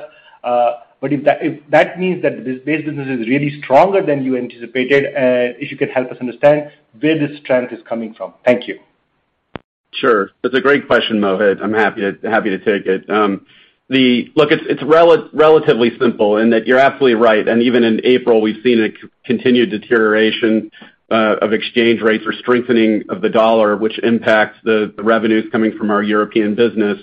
If that means that this base business is really stronger than you anticipated, if you could help us understand where this trend is coming from. Thank you. Sure. That's a great question, Mohit. I'm happy to take it. Look, it's relatively simple and that you're absolutely right. Even in April, we've seen a continued deterioration of exchange rates or strengthening of the dollar, which impacts the revenues coming from our European business.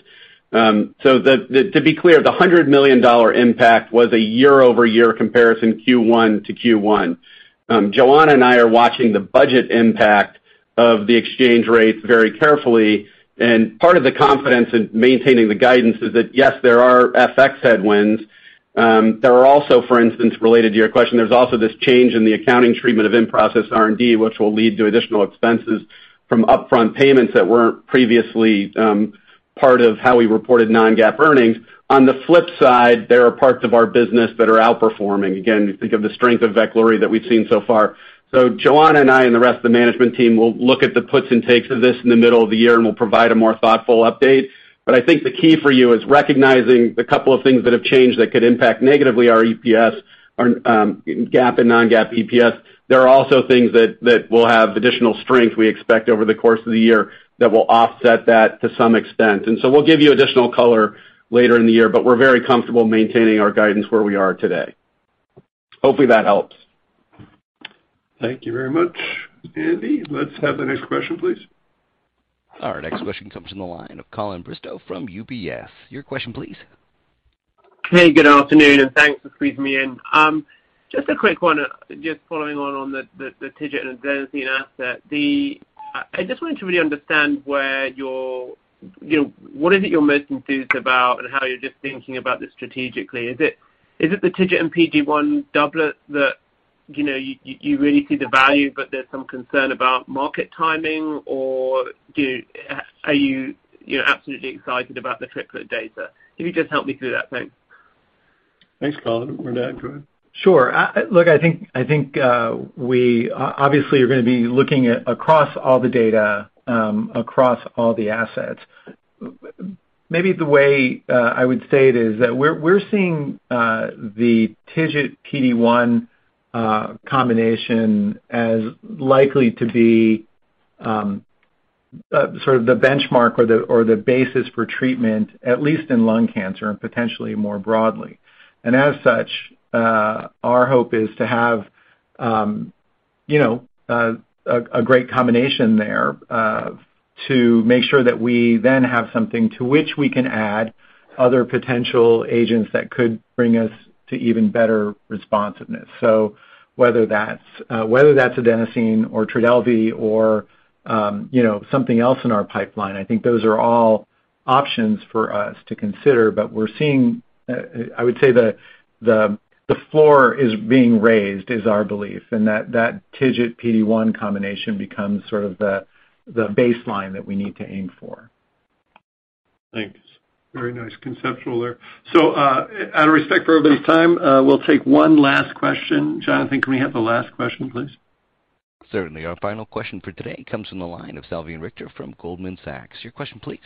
To be clear, the $100 million impact was a year-over-year comparison Q1 to Q1. Johanna and I are watching the budget impact of the exchange rates very carefully. Part of the confidence in maintaining the guidance is that, yes, there are FX headwinds. There are also, for instance, related to your question, there's also this change in the accounting treatment of in-process R&D, which will lead to additional expenses from upfront payments that weren't previously part of how we reported non-GAAP earnings. On the flip side, there are parts of our business that are outperforming. Again, think of the strength of Veklury that we've seen so far. Johanna and I and the rest of the management team will look at the puts and takes of this in the middle of the year, and we'll provide a more thoughtful update. I think the key for you is recognizing the couple of things that have changed that could impact negatively our EPS, our GAAP and non-GAAP EPS. There are also things that will have additional strength we expect over the course of the year that will offset that to some extent. We'll give you additional color later in the year, but we're very comfortable maintaining our guidance where we are today. Hopefully that helps. Thank you very much, Andy. Let's have the next question, please. Our next question comes from the line of Colin Bristow from UBS. Your question please. Hey, good afternoon, and thanks for squeezing me in. Just a quick one, just following on the TIGIT and adenosine asset. I just wanted to really understand where you're you know what is it you're most enthused about and how you're just thinking about this strategically? Is it the TIGIT and PD-1 doublet that you know you really see the value, but there's some concern about market timing? Or are you you know absolutely excited about the triplet data? Can you just help me through that? Thanks. Thanks, Colin. Merdad, go ahead. Sure. Look, I think we obviously are gonna be looking across all the data across all the assets. Maybe the way I would say it is that we're seeing the TIGIT PD-1 combination as likely to be sort of the benchmark or the basis for treatment, at least in lung cancer and potentially more broadly. As such, our hope is to have you know a great combination there to make sure that we then have something to which we can add other potential agents that could bring us to even better responsiveness. Whether that's adenosine or Trodelvy or you know something else in our pipeline, I think those are all options for us to consider. We're seeing, I would say the floor is being raised is our belief, and that TIGIT PD-1 combination becomes sort of the baseline that we need to aim for. Thanks. Very nice conceptual there. Out of respect for everyone's time, we'll take one last question. Jonathan, can we have the last question, please? Certainly. Our final question for today comes from the line of Salveen Richter from Goldman Sachs. Your question please.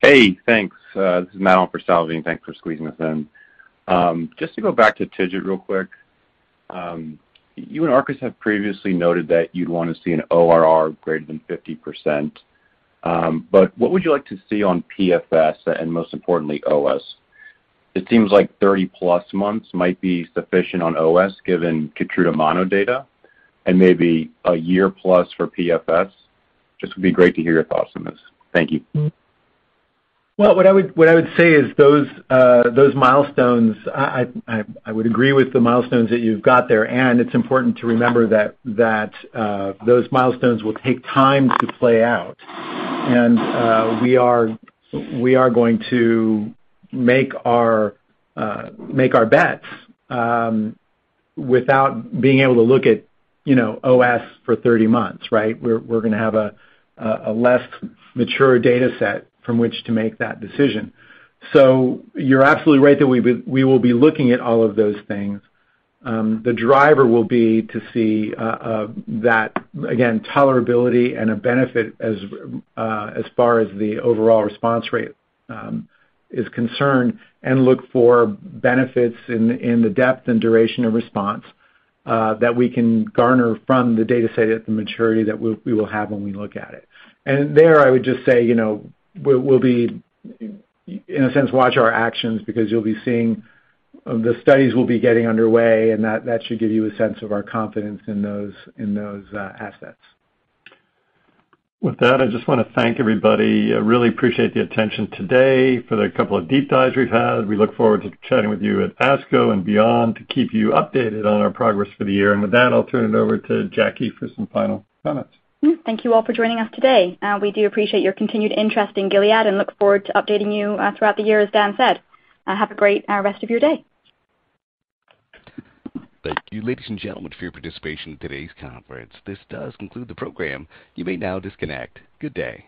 Hey, thanks. This is Matt on for Salveen. Thanks for squeezing us in. Just to go back to TIGIT real quick. You and Arcus have previously noted that you'd wanna see an ORR greater than 50%. But what would you like to see on PFS and most importantly, OS? It seems like more than 30 months might be sufficient on OS given KEYTRUDA mono data and maybe a year plus for PFS. Just would be great to hear your thoughts on this. Thank you. Well, what I would say is those milestones. I would agree with the milestones that you've got there. It's important to remember that those milestones will take time to play out. We are going to make our bets without being able to look at, you know, OS for 30 months, right? We're gonna have a less mature data set from which to make that decision. You're absolutely right that we will be looking at all of those things. The driver will be to see that, again, tolerability and a benefit as far as the overall response rate is concerned and look for benefits in the depth and duration of response that we can garner from the data set at the maturity that we will have when we look at it. There I would just say, you know, in a sense, watch our actions because you'll be seeing the studies we'll be getting underway, and that should give you a sense of our confidence in those assets. With that, I just wanna thank everybody. I really appreciate the attention today for the couple of deep dives we've had. We look forward to chatting with you at ASCO and beyond to keep you updated on our progress for the year. With that, I'll turn it over to Jackie for some final comments. Thank you all for joining us today. We do appreciate your continued interest in Gilead and look forward to updating you throughout the year, as Dan said. Have a great rest of your day. Thank you, ladies and gentlemen, for your participation in today's conference. This does conclude the program. You may now disconnect. Good day.